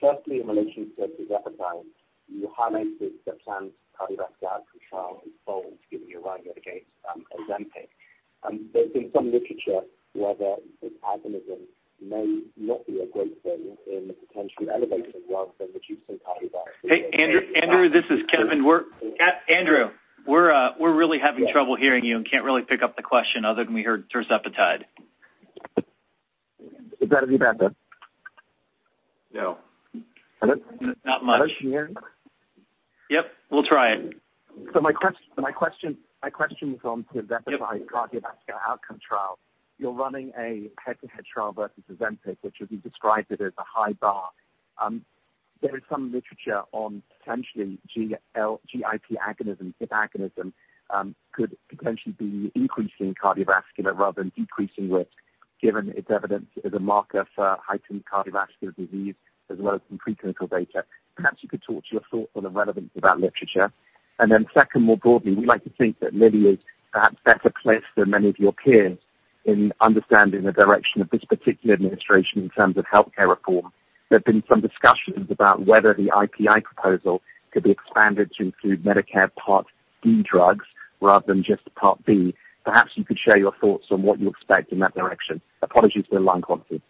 Firstly, in relation to tirzepatide, you highlighted the planned cardiovascular outcome trial involved giving you a run at the gate, Ozempic. There's been some literature whether this agonism may not be a great thing in the potential elevation rather than reducing cardiovascular-. Hey, Andrew. Andrew, this is Kevin. Andrew, we're really having trouble hearing you and can't really pick up the question other than we heard tirzepatide. Is that any better? No. Is it? Not much. Can you hear me? Yep, we'll try it. My question was on tirzepatide. Yep. cardiovascular outcome trial. You're running a head-to-head trial versus Ozempic, which as you described it is a high bar. There is some literature on potentially GIP agonism could potentially be increasing cardiovascular rather than decreasing risk given its evidence as a marker for heightened cardiovascular disease as well as some preclinical data. Perhaps you could talk to your thoughts on the relevance of that literature. Second, more broadly, we like to think that Lilly is perhaps better placed than many of your peers in understanding the direction of this particular administration in terms of healthcare reform. There've been some discussions about whether the IPI proposal could be expanded to include Medicare Part D drugs rather than just Part B. Perhaps you could share your thoughts on what you expect in that direction. Apologies for the line quality.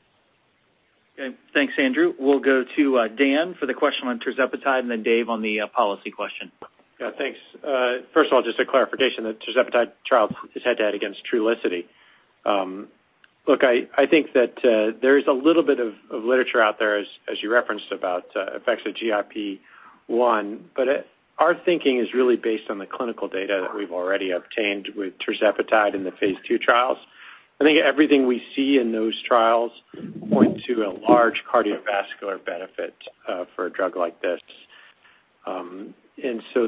Okay. Thanks, Andrew. We'll go to Dan for the question on tirzepatide and then Dave on the policy question. Yeah, thanks. First of all, just a clarification that tirzepatide trial is head-to-head against Trulicity. Look, I think that there is a little bit of literature out there as you referenced about effects of GLP-1, but our thinking is really based on the clinical data that we've already obtained with tirzepatide in the phase II trials. I think everything we see in those trials point to a large cardiovascular benefit for a drug like this.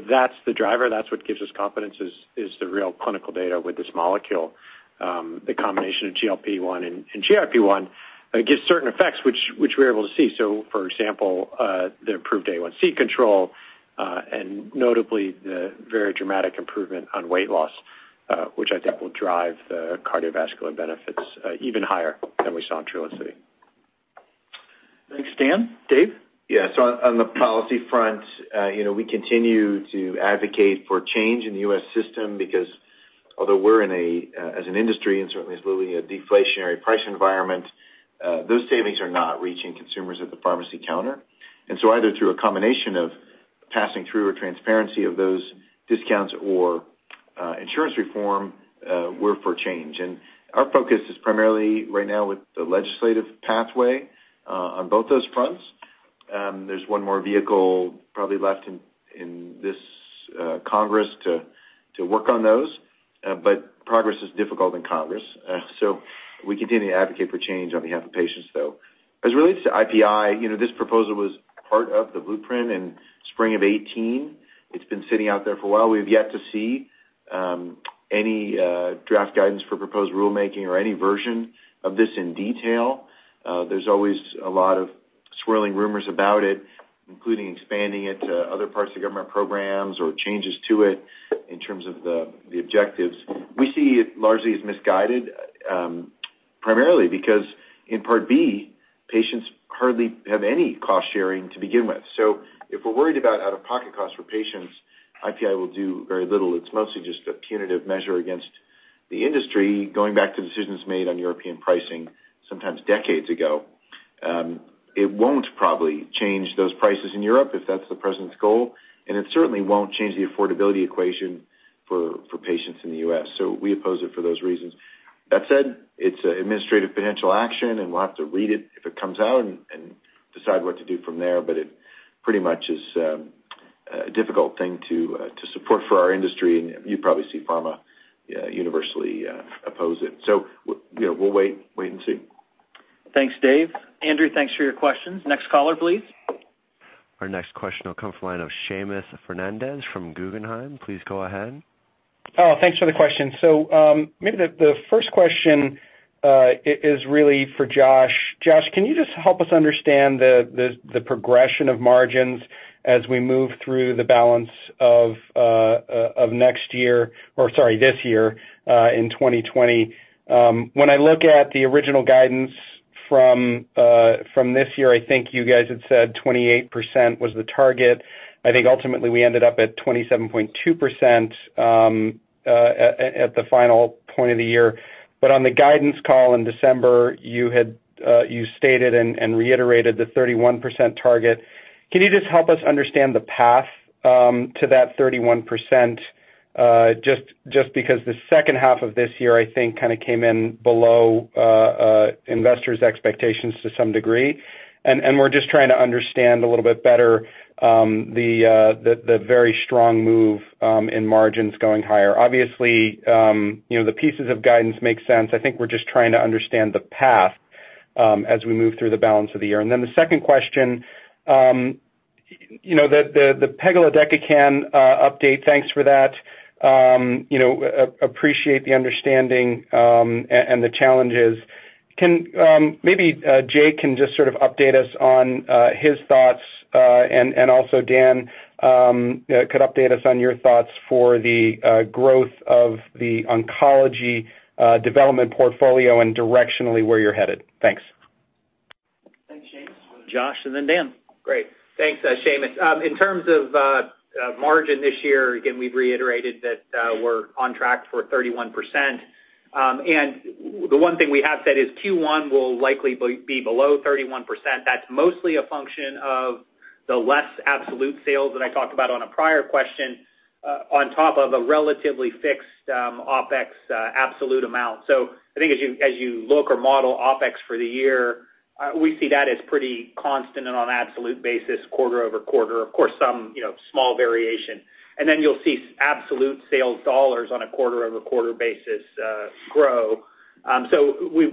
That's the driver. That's what gives us confidence is the real clinical data with this molecule. The combination of GLP-1 and GIP gives certain effects which we're able to see. For example, the approved A1C control, and notably the very dramatic improvement on weight loss, which I think will drive the cardiovascular benefits, even higher than we saw in Trulicity. Thanks, Dan. Dave? Yeah. On the policy front, you know, we continue to advocate for change in the U.S. system because although we're in a, as an industry and certainly as Lilly, a deflationary price environment, those savings are not reaching consumers at the pharmacy counter. Either through a combination of passing through or transparency of those discounts or insurance reform, we're for change. Our focus is primarily right now with the legislative pathway on both those fronts. There's one more vehicle probably left in this Congress to work on those. Progress is difficult in Congress. We continue to advocate for change on behalf of patients, though. As it relates to IPI, you know, this proposal was part of the blueprint in spring of 2018. It's been sitting out there for a while. We've yet to see any draft guidance for proposed rulemaking or any version of this in detail. There's always a lot of swirling rumors about it, including expanding it to other parts of government programs or changes to it in terms of the objectives. We see it largely as misguided, primarily because in Part B, patients hardly have any cost-sharing to begin with. If we're worried about out-of-pocket costs for patients, IPI will do very little. It's mostly just a punitive measure against the industry going back to decisions made on European pricing sometimes decades ago. It won't probably change those prices in Europe if that's the president's goal, and it certainly won't change the affordability equation for patients in the U.S. We oppose it for those reasons. That said, it's an administrative potential action, and we'll have to read it if it comes out and decide what to do from there. It pretty much is a difficult thing to support for our industry. You probably see pharma universally oppose it. We'll wait and see. Thanks, Dave. Andrew, thanks for your questions. Next caller, please. Our next question will come from the line of Seamus Fernandez from Guggenheim. Please go ahead. Thanks for the question. Maybe the first question is really for Josh. Josh, can you just help us understand the progression of margins as we move through the balance of next year or, sorry, this year, in 2020? When I look at the original guidance from this year, I think you guys had said 28% was the target. I think ultimately we ended up at 27.2% at the final point of the year. On the guidance call in December, you stated and reiterated the 31% target. Can you just help us understand the path to that 31%? Just because the second half of this year, I think, kind of came in below investors' expectations to some degree. We're just trying to understand a little bit better the very strong move in margins going higher. Obviously, you know, the pieces of guidance make sense. I think we're just trying to understand the path as we move through the balance of the year. Then the second question, you know, the pegilodecakin update, thanks for that. You know, appreciate the understanding and the challenges. Can maybe Jay can just sort of update us on his thoughts and also Dan could update us on your thoughts for the growth of the oncology development portfolio and directionally where you're headed. Thanks. Thanks, Seamus. Josh and then Dan. Great. Thanks, Seamus. In terms of margin this year, again, we've reiterated that we're on track for 31%. The one thing we have said is Q1 will likely be below 31%. That's mostly a function of the less absolute sales that I talked about on a prior question, on top of a relatively fixed OpEx absolute amount. I think as you look or model OpEx for the year, we see that as pretty constant and on absolute basis quarter-over-quarter. Of course, some, you know, small variation. You'll see absolute sales dollars on a quarter-over-quarter basis grow.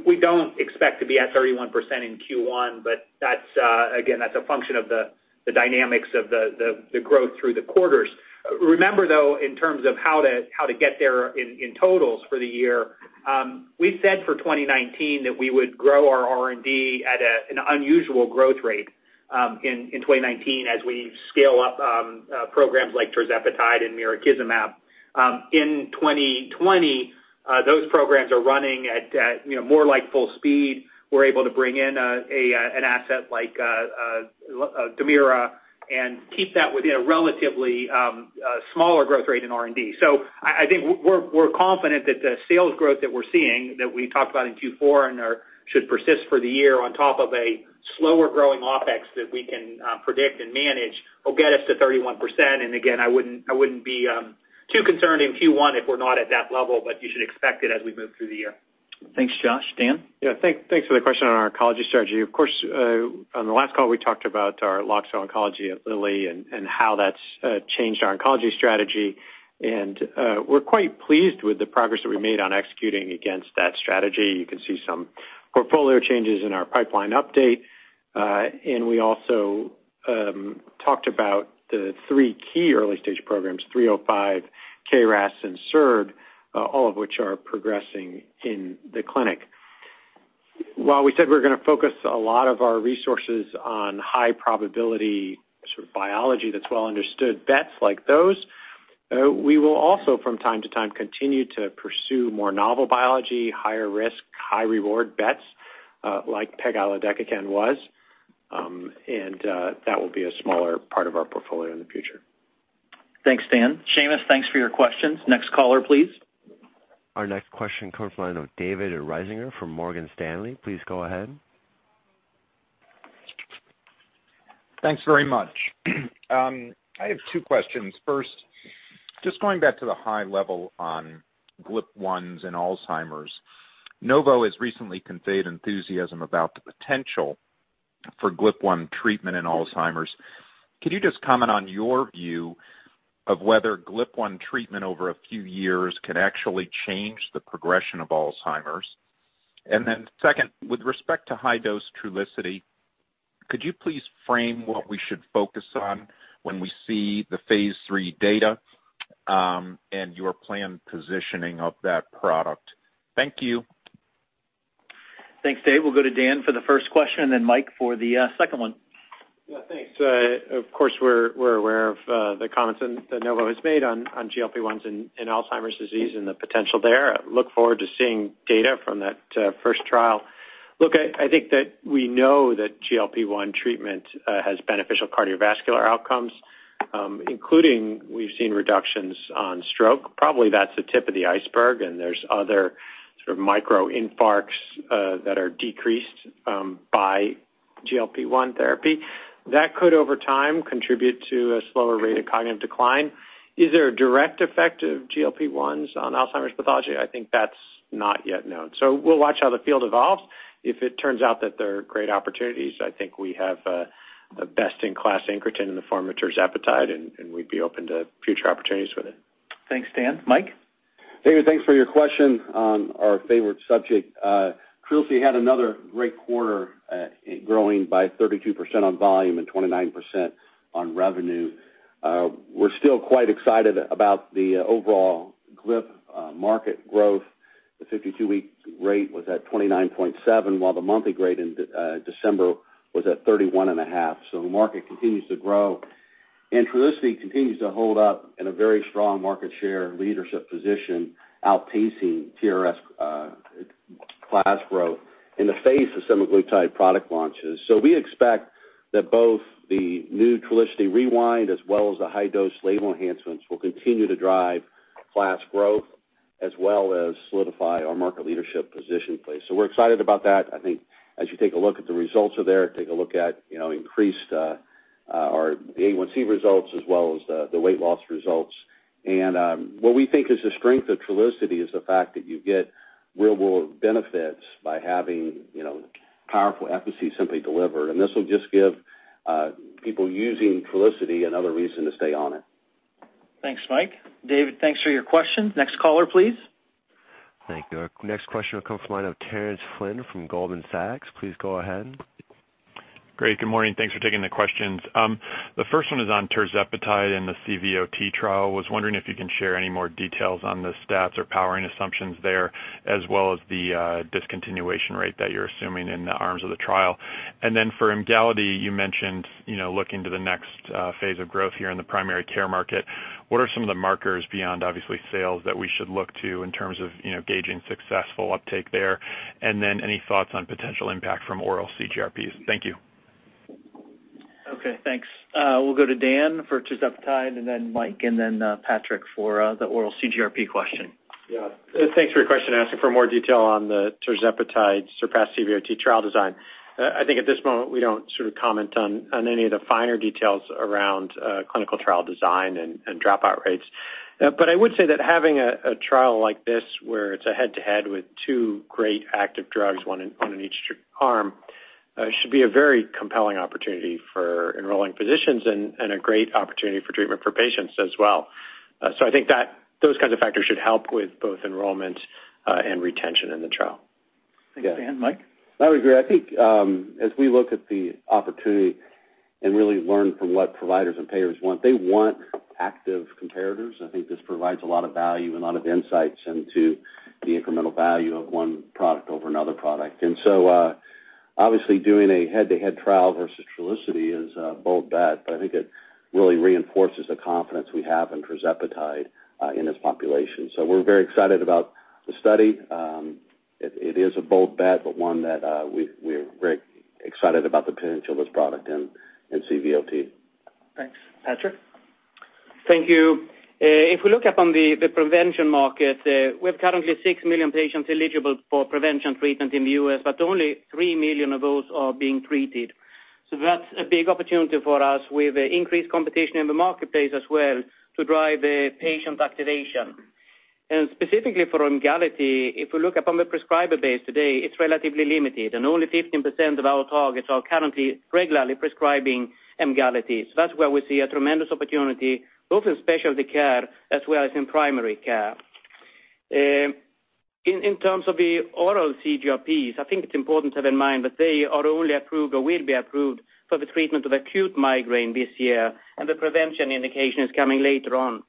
We don't expect to be at 31% in Q1, but that's again, that's a function of the dynamics of the growth through the quarters. Remember, though, in terms of how to get there in totals for the year, we said for 2019 that we would grow our R&D at an unusual growth rate in 2019 as we scale up programs like tirzepatide and mirikizumab. In 2020, those programs are running at, you know, more like full speed. We're able to bring in an asset like Dermira and keep that within a relatively smaller growth rate in R&D. I think we're confident that the sales growth that we're seeing, that we talked about in Q4 and should persist for the year on top of a slower-growing OpEx that we can predict and manage, will get us to 31%. I wouldn't be too concerned in Q1 if we're not at that level, but you should expect it as we move through the year. Thanks, Josh. Dan? Yeah, thanks for the question on our oncology strategy. Of course, on the last call, we talked about our Loxo Oncology at Lilly and how that's changed our oncology strategy. We're quite pleased with the progress that we made on executing against that strategy. You can see some portfolio changes in our pipeline update. We also talked about the three key early-stage programs, LOXO-305, KRAS, and SERD, all of which are progressing in the clinic. While we said we're going to focus a lot of our resources on high probability sort of biology that's well understood, bets like those, we will also from time to time continue to pursue more novel biology, higher risk, high reward bets, like pegilodecakin was. That will be a smaller part of our portfolio in the future. Thanks, Dan. Seamus, thanks for your questions. Next caller, please. Our next question comes from the line of David Risinger from Morgan Stanley. Please go ahead. Thanks very much. I have two questions. First, just going back to the high level on GLP-1s and Alzheimer's. Novo has recently conveyed enthusiasm about the potential for GLP-1 treatment in Alzheimer's. Can you just comment on your view of whether GLP-1 treatment over a few years could actually change the progression of Alzheimer's? Then second, with respect to high-dose Trulicity, could you please frame what we should focus on when we see the phase III data, and your planned positioning of that product? Thank you. Thanks, Dave. We'll go to Dan for the first question, then Mike for the second one. Yeah, thanks. Of course, we're aware of the comments that Novo has made on GLP-1s in Alzheimer's disease and the potential there. Look forward to seeing data from that first trial. Look, I think that we know that GLP-1 treatment has beneficial cardiovascular outcomes, including we've seen reductions on stroke. Probably that's the tip of the iceberg, and there's Sort of micro infarcts that are decreased by GLP-1 therapy. That could, over time, contribute to a slower rate of cognitive decline. Is there a direct effect of GLP-1s on Alzheimer's pathology? I think that's not yet known. We'll watch how the field evolves. If it turns out that there are great opportunities, I think we have a best-in-class incretin in the form of tirzepatide, and we'd be open to future opportunities with it. Thanks, Dan. Mike? David, thanks for your question on our favorite subject. Trulicity had another great quarter, growing by 32% on volume and 29% on revenue. We're still quite excited about the overall GLP market growth. The 52-week rate was at 29.7, while the monthly rate in December was at 31.5. The market continues to grow, and Trulicity continues to hold up in a very strong market share leadership position, outpacing TRx class growth in the face of semaglutide product launches. We expect that both the new Trulicity REWIND, as well as the high-dose label enhancements, will continue to drive class growth as well as solidify our market leadership position place. We're excited about that. I think as you take a look at the results are there, take a look at, you know, increased our A1C results as well as the weight loss results. What we think is the strength of Trulicity is the fact that you get real-world benefits by having, you know, powerful efficacy simply delivered. This will just give people using Trulicity another reason to stay on it. Thanks, Mike. David, thanks for your question. Next caller, please. Thank you. Our next question will come from the line of Terence Flynn from Goldman Sachs. Please go ahead. Great. Good morning. Thanks for taking the questions. The first one is on tirzepatide and the CVOT trial. I was wondering if you can share any more details on the stats or powering assumptions there as well as the discontinuation rate that you're assuming in the arms of the trial. For Emgality, you mentioned, you know, looking to the next phase of growth here in the primary care market. What are some of the markers beyond obviously sales that we should look to in terms of, you know, gauging successful uptake there? Any thoughts on potential impact from oral CGRPs? Thank you. Okay, thanks. We'll go to Dan for tirzepatide and then Mike and then, Patrik for the oral CGRP question. Yeah. Thanks for your question, asking for more detail on the tirzepatide SURPASS-CVOT trial design. I think at this moment we don't sort of comment on any of the finer details around clinical trial design and dropout rates. I would say that having a trial like this where it's a head-to-head with two great active drugs, one in each arm, should be a very compelling opportunity for enrolling physicians and a great opportunity for treatment for patients as well. I think that those kinds of factors should help with both enrollment and retention in the trial. Thanks, Dan. Mike? I would agree. I think, as we look at the opportunity and really learn from what providers and payers want, they want active comparators. I think this provides a lot of value, a lot of insights into the incremental value of one product over another product. Obviously doing a head-to-head trial versus Trulicity is a bold bet, but I think it really reinforces the confidence we have in tirzepatide in this population. We're very excited about the study. It is a bold bet, but one that we're very excited about the potential of this product in CVOT. Thanks. Patrik? Thank you. If we look upon the prevention market, we have currently 6 million patients eligible for prevention treatment in the U.S., but only 3 million of those are being treated. That's a big opportunity for us. We have increased competition in the marketplace as well to drive patient activation. Specifically for Emgality, if we look upon the prescriber base today, it's relatively limited, and only 15% of our targets are currently regularly prescribing Emgality. That's where we see a tremendous opportunity, both in specialty care as well as in primary care. In terms of the oral CGRPs, I think it's important to have in mind that they are only approved or will be approved for the treatment of acute migraine this year, and the prevention indication is coming later on.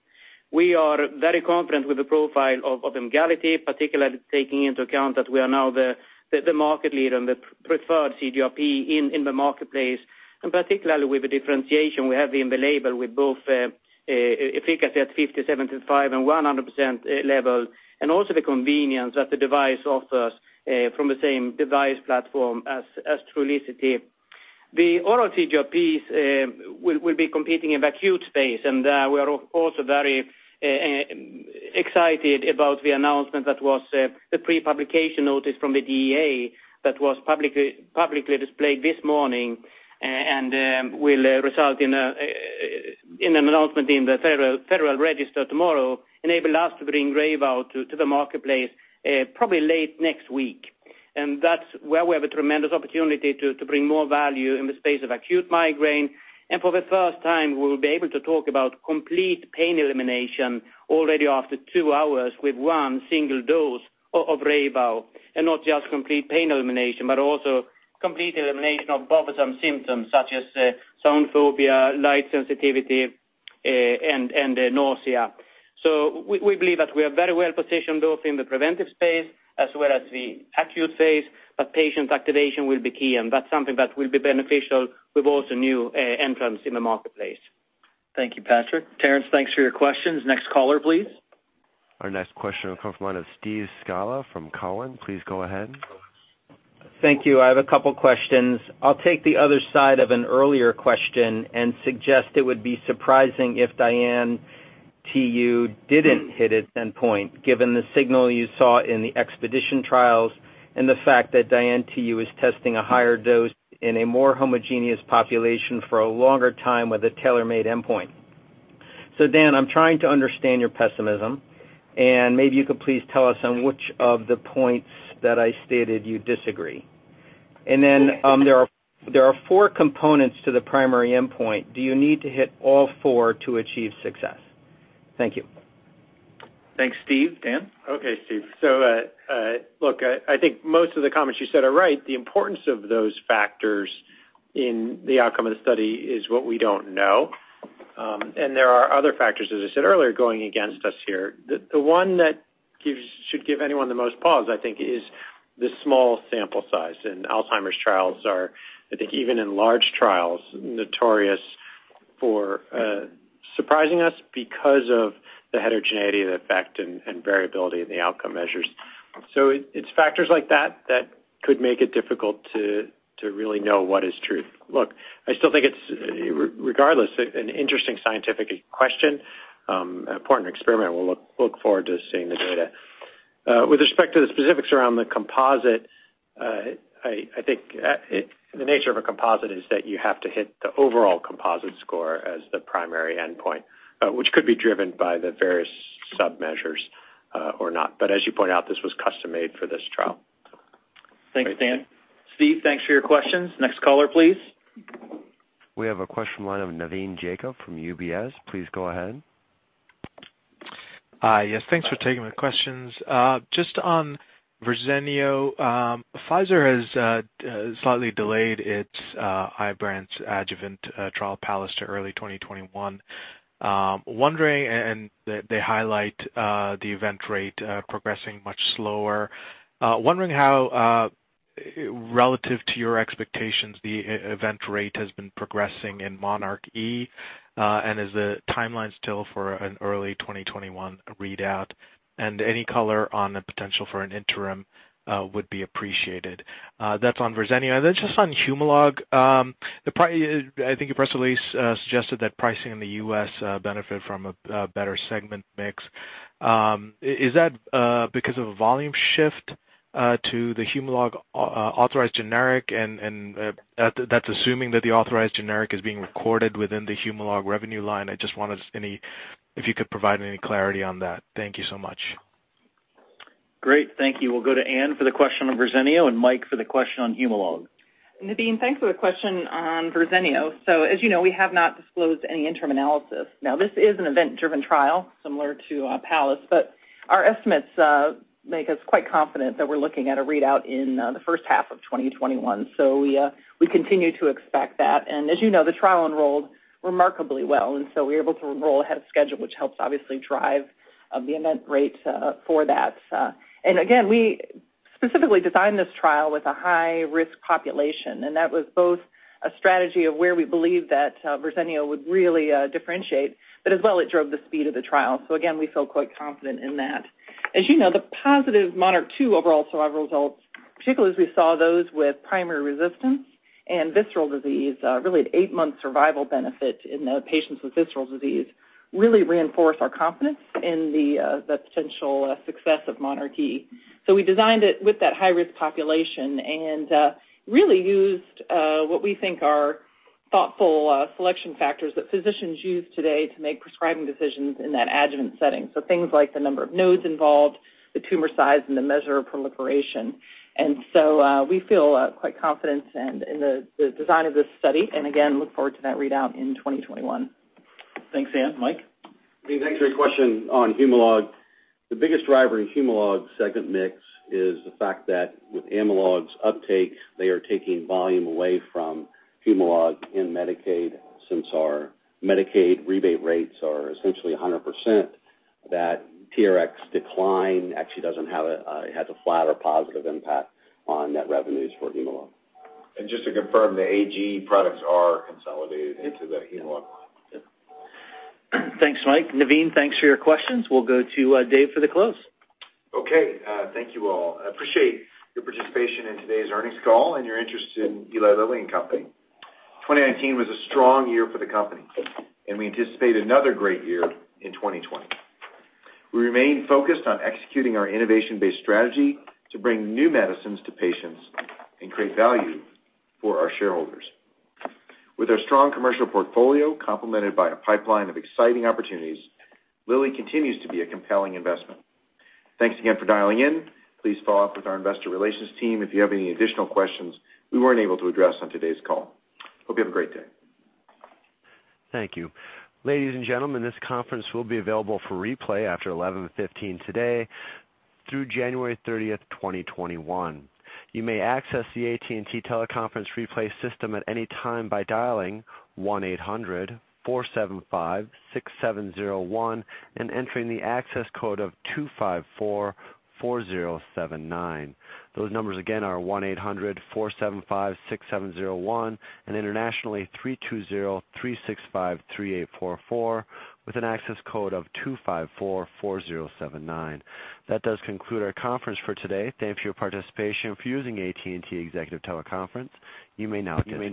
We are very confident with the profile of Emgality, particularly taking into account that we are now the market leader and the preferred CGRP in the marketplace, and particularly with the differentiation we have in the label with both efficacy at 50%, 75%, and 100% level, and also the convenience that the device offers from the same device platform as Trulicity. The oral CGRPs will be competing in the acute space. We are also very excited about the announcement that was the pre-publication notice from the DEA that was publicly displayed this morning and will result in an announcement in the Federal Register tomorrow, enable us to bring Reyvow to the marketplace probably late next week. That's where we have a tremendous opportunity to bring more value in the space of acute migraine. For the first time, we'll be able to talk about complete pain elimination already after two hours with one single dose of Reyvow, not just complete pain elimination, but also complete elimination of bothersome symptoms such as sound phobia, light sensitivity, and nausea. We believe that we are very well positioned both in the preventive space as well as the acute space, but patient activation will be key, and that's something that will be beneficial with also new entrants in the marketplace. Thank you, Patrik. Terence, thanks for your questions. Next caller, please. Our next question will come from one of Steve Scala from Cowen. Please go ahead. Thank you. I have a couple questions. I'll take the other side of an earlier question and suggest it would be surprising if DIAN-TU didn't hit its endpoint, given the signal you saw in the EXPEDITION trials and the fact that DIAN-TU is testing a higher dose in a more homogeneous population for a longer time with a tailor-made endpoint. Dan, I'm trying to understand your pessimism, and maybe you could please tell us on which of the points that I stated you disagree. There are four components to the primary endpoint. Do you need to hit all four to achieve success? Thank you. Thanks, Steve. Dan? Okay, Steve. Look, I think most of the comments you said are right. The importance of those factors in the outcome of the study is what we don't know. There are other factors, as I said earlier, going against us here. The one that should give anyone the most pause, I think, is the small sample size. Alzheimer's trials are, I think, even in large trials, notorious for surprising us because of the heterogeneity of the effect and variability in the outcome measures. It's factors like that that could make it difficult to really know what is true. Look, I still think it's regardless, an interesting scientific question, important experiment. We'll look forward to seeing the data. With respect to the specifics around the composite, I think the nature of a composite is that you have to hit the overall composite score as the primary endpoint, which could be driven by the various submeasures, or not. As you pointed out, this was custom-made for this trial. Thanks, Dan. Steve, thanks for your questions. Next caller, please. We have a question line of Navin Jacob from UBS. Please go ahead. Hi, yes. Thanks for taking my questions. Just on Verzenio, Pfizer has slightly delayed its Ibrance adjuvant trial PALLAS to early 2021. They highlight the event rate progressing much slower. Wondering how, relative to your expectations, the event rate has been progressing in monarchE, and is the timeline still for an early 2021 readout? Any color on the potential for an interim would be appreciated. That's on Verzenio. Just on Humalog, I think your press release suggested that pricing in the U.S. benefit from a better segment mix. Is that because of a volume shift to the Humalog authorized generic? That's assuming that the authorized generic is being recorded within the Humalog revenue line. I just wondered if you could provide any clarity on that. Thank you so much. Great, thank you. We'll go to Anne for the question on Verzenio and Mike for the question on Humalog. Navin, thanks for the question on Verzenio. As you know, we have not disclosed any interim analysis. Now, this is an event-driven trial similar to PALLAS, but our estimates make us quite confident that we're looking at a readout in the first half of 2021. We continue to expect that. As you know, the trial enrolled remarkably well, we're able to enroll ahead of schedule, which helps obviously drive the event rate for that. Again, we specifically designed this trial with a high-risk population, and that was both a strategy of where we believe that Verzenio would really differentiate, but as well, it drove the speed of the trial. Again, we feel quite confident in that. As you know, the positive MONARCH 2 overall survival results, particularly as we saw those with primary resistance and visceral disease, really an eight-month survival benefit in patients with visceral disease, really reinforce our confidence in the potential success of monarchE. We designed it with that high-risk population and really used what we think are thoughtful selection factors that physicians use today to make prescribing decisions in that adjuvant setting. Things like the number of nodes involved, the tumor size, and the measure of proliferation. We feel quite confident in the design of this study, and again, look forward to that readout in 2021. Thanks, Anne. Mike? Navin, thanks for your question on Humalog. The biggest driver in Humalog segment mix is the fact that with Admelog's uptake, they are taking volume away from Humalog in Medicaid. Since our Medicaid rebate rates are essentially 100%, that TRx decline actually doesn't have a flat or positive impact on net revenues for Humalog. Just to confirm, the AG products are consolidated into the Humalog line? Yeah. Thanks, Mike. Navin, thanks for your questions. We'll go to Dave for the close. Okay. Thank you all. I appreciate your participation in today's earnings call and your interest in Eli Lilly and Company. 2019 was a strong year for the company. We anticipate another great year in 2020. We remain focused on executing our innovation-based strategy to bring new medicines to patients and create value for our shareholders. With our strong commercial portfolio complemented by a pipeline of exciting opportunities, Lilly continues to be a compelling investment. Thanks again for dialing in. Please follow up with our investor relations team if you have any additional questions we weren't able to address on today's call. Hope you have a great day. Thank you. Ladies and gentlemen, this conference will be available for replay after 11:15 today through January 30th, 2021. You may access the AT&T teleconference replay system at any time by dialing 1-800 475 6701 and entering the access code of 2544079. Those numbers again are 1-800 475 6701 and internationally, 3203653844 with an access code of 2544079. That does conclude our conference for today. Thank you for your participation for using AT&T Executive Teleconference. You may now disconnect.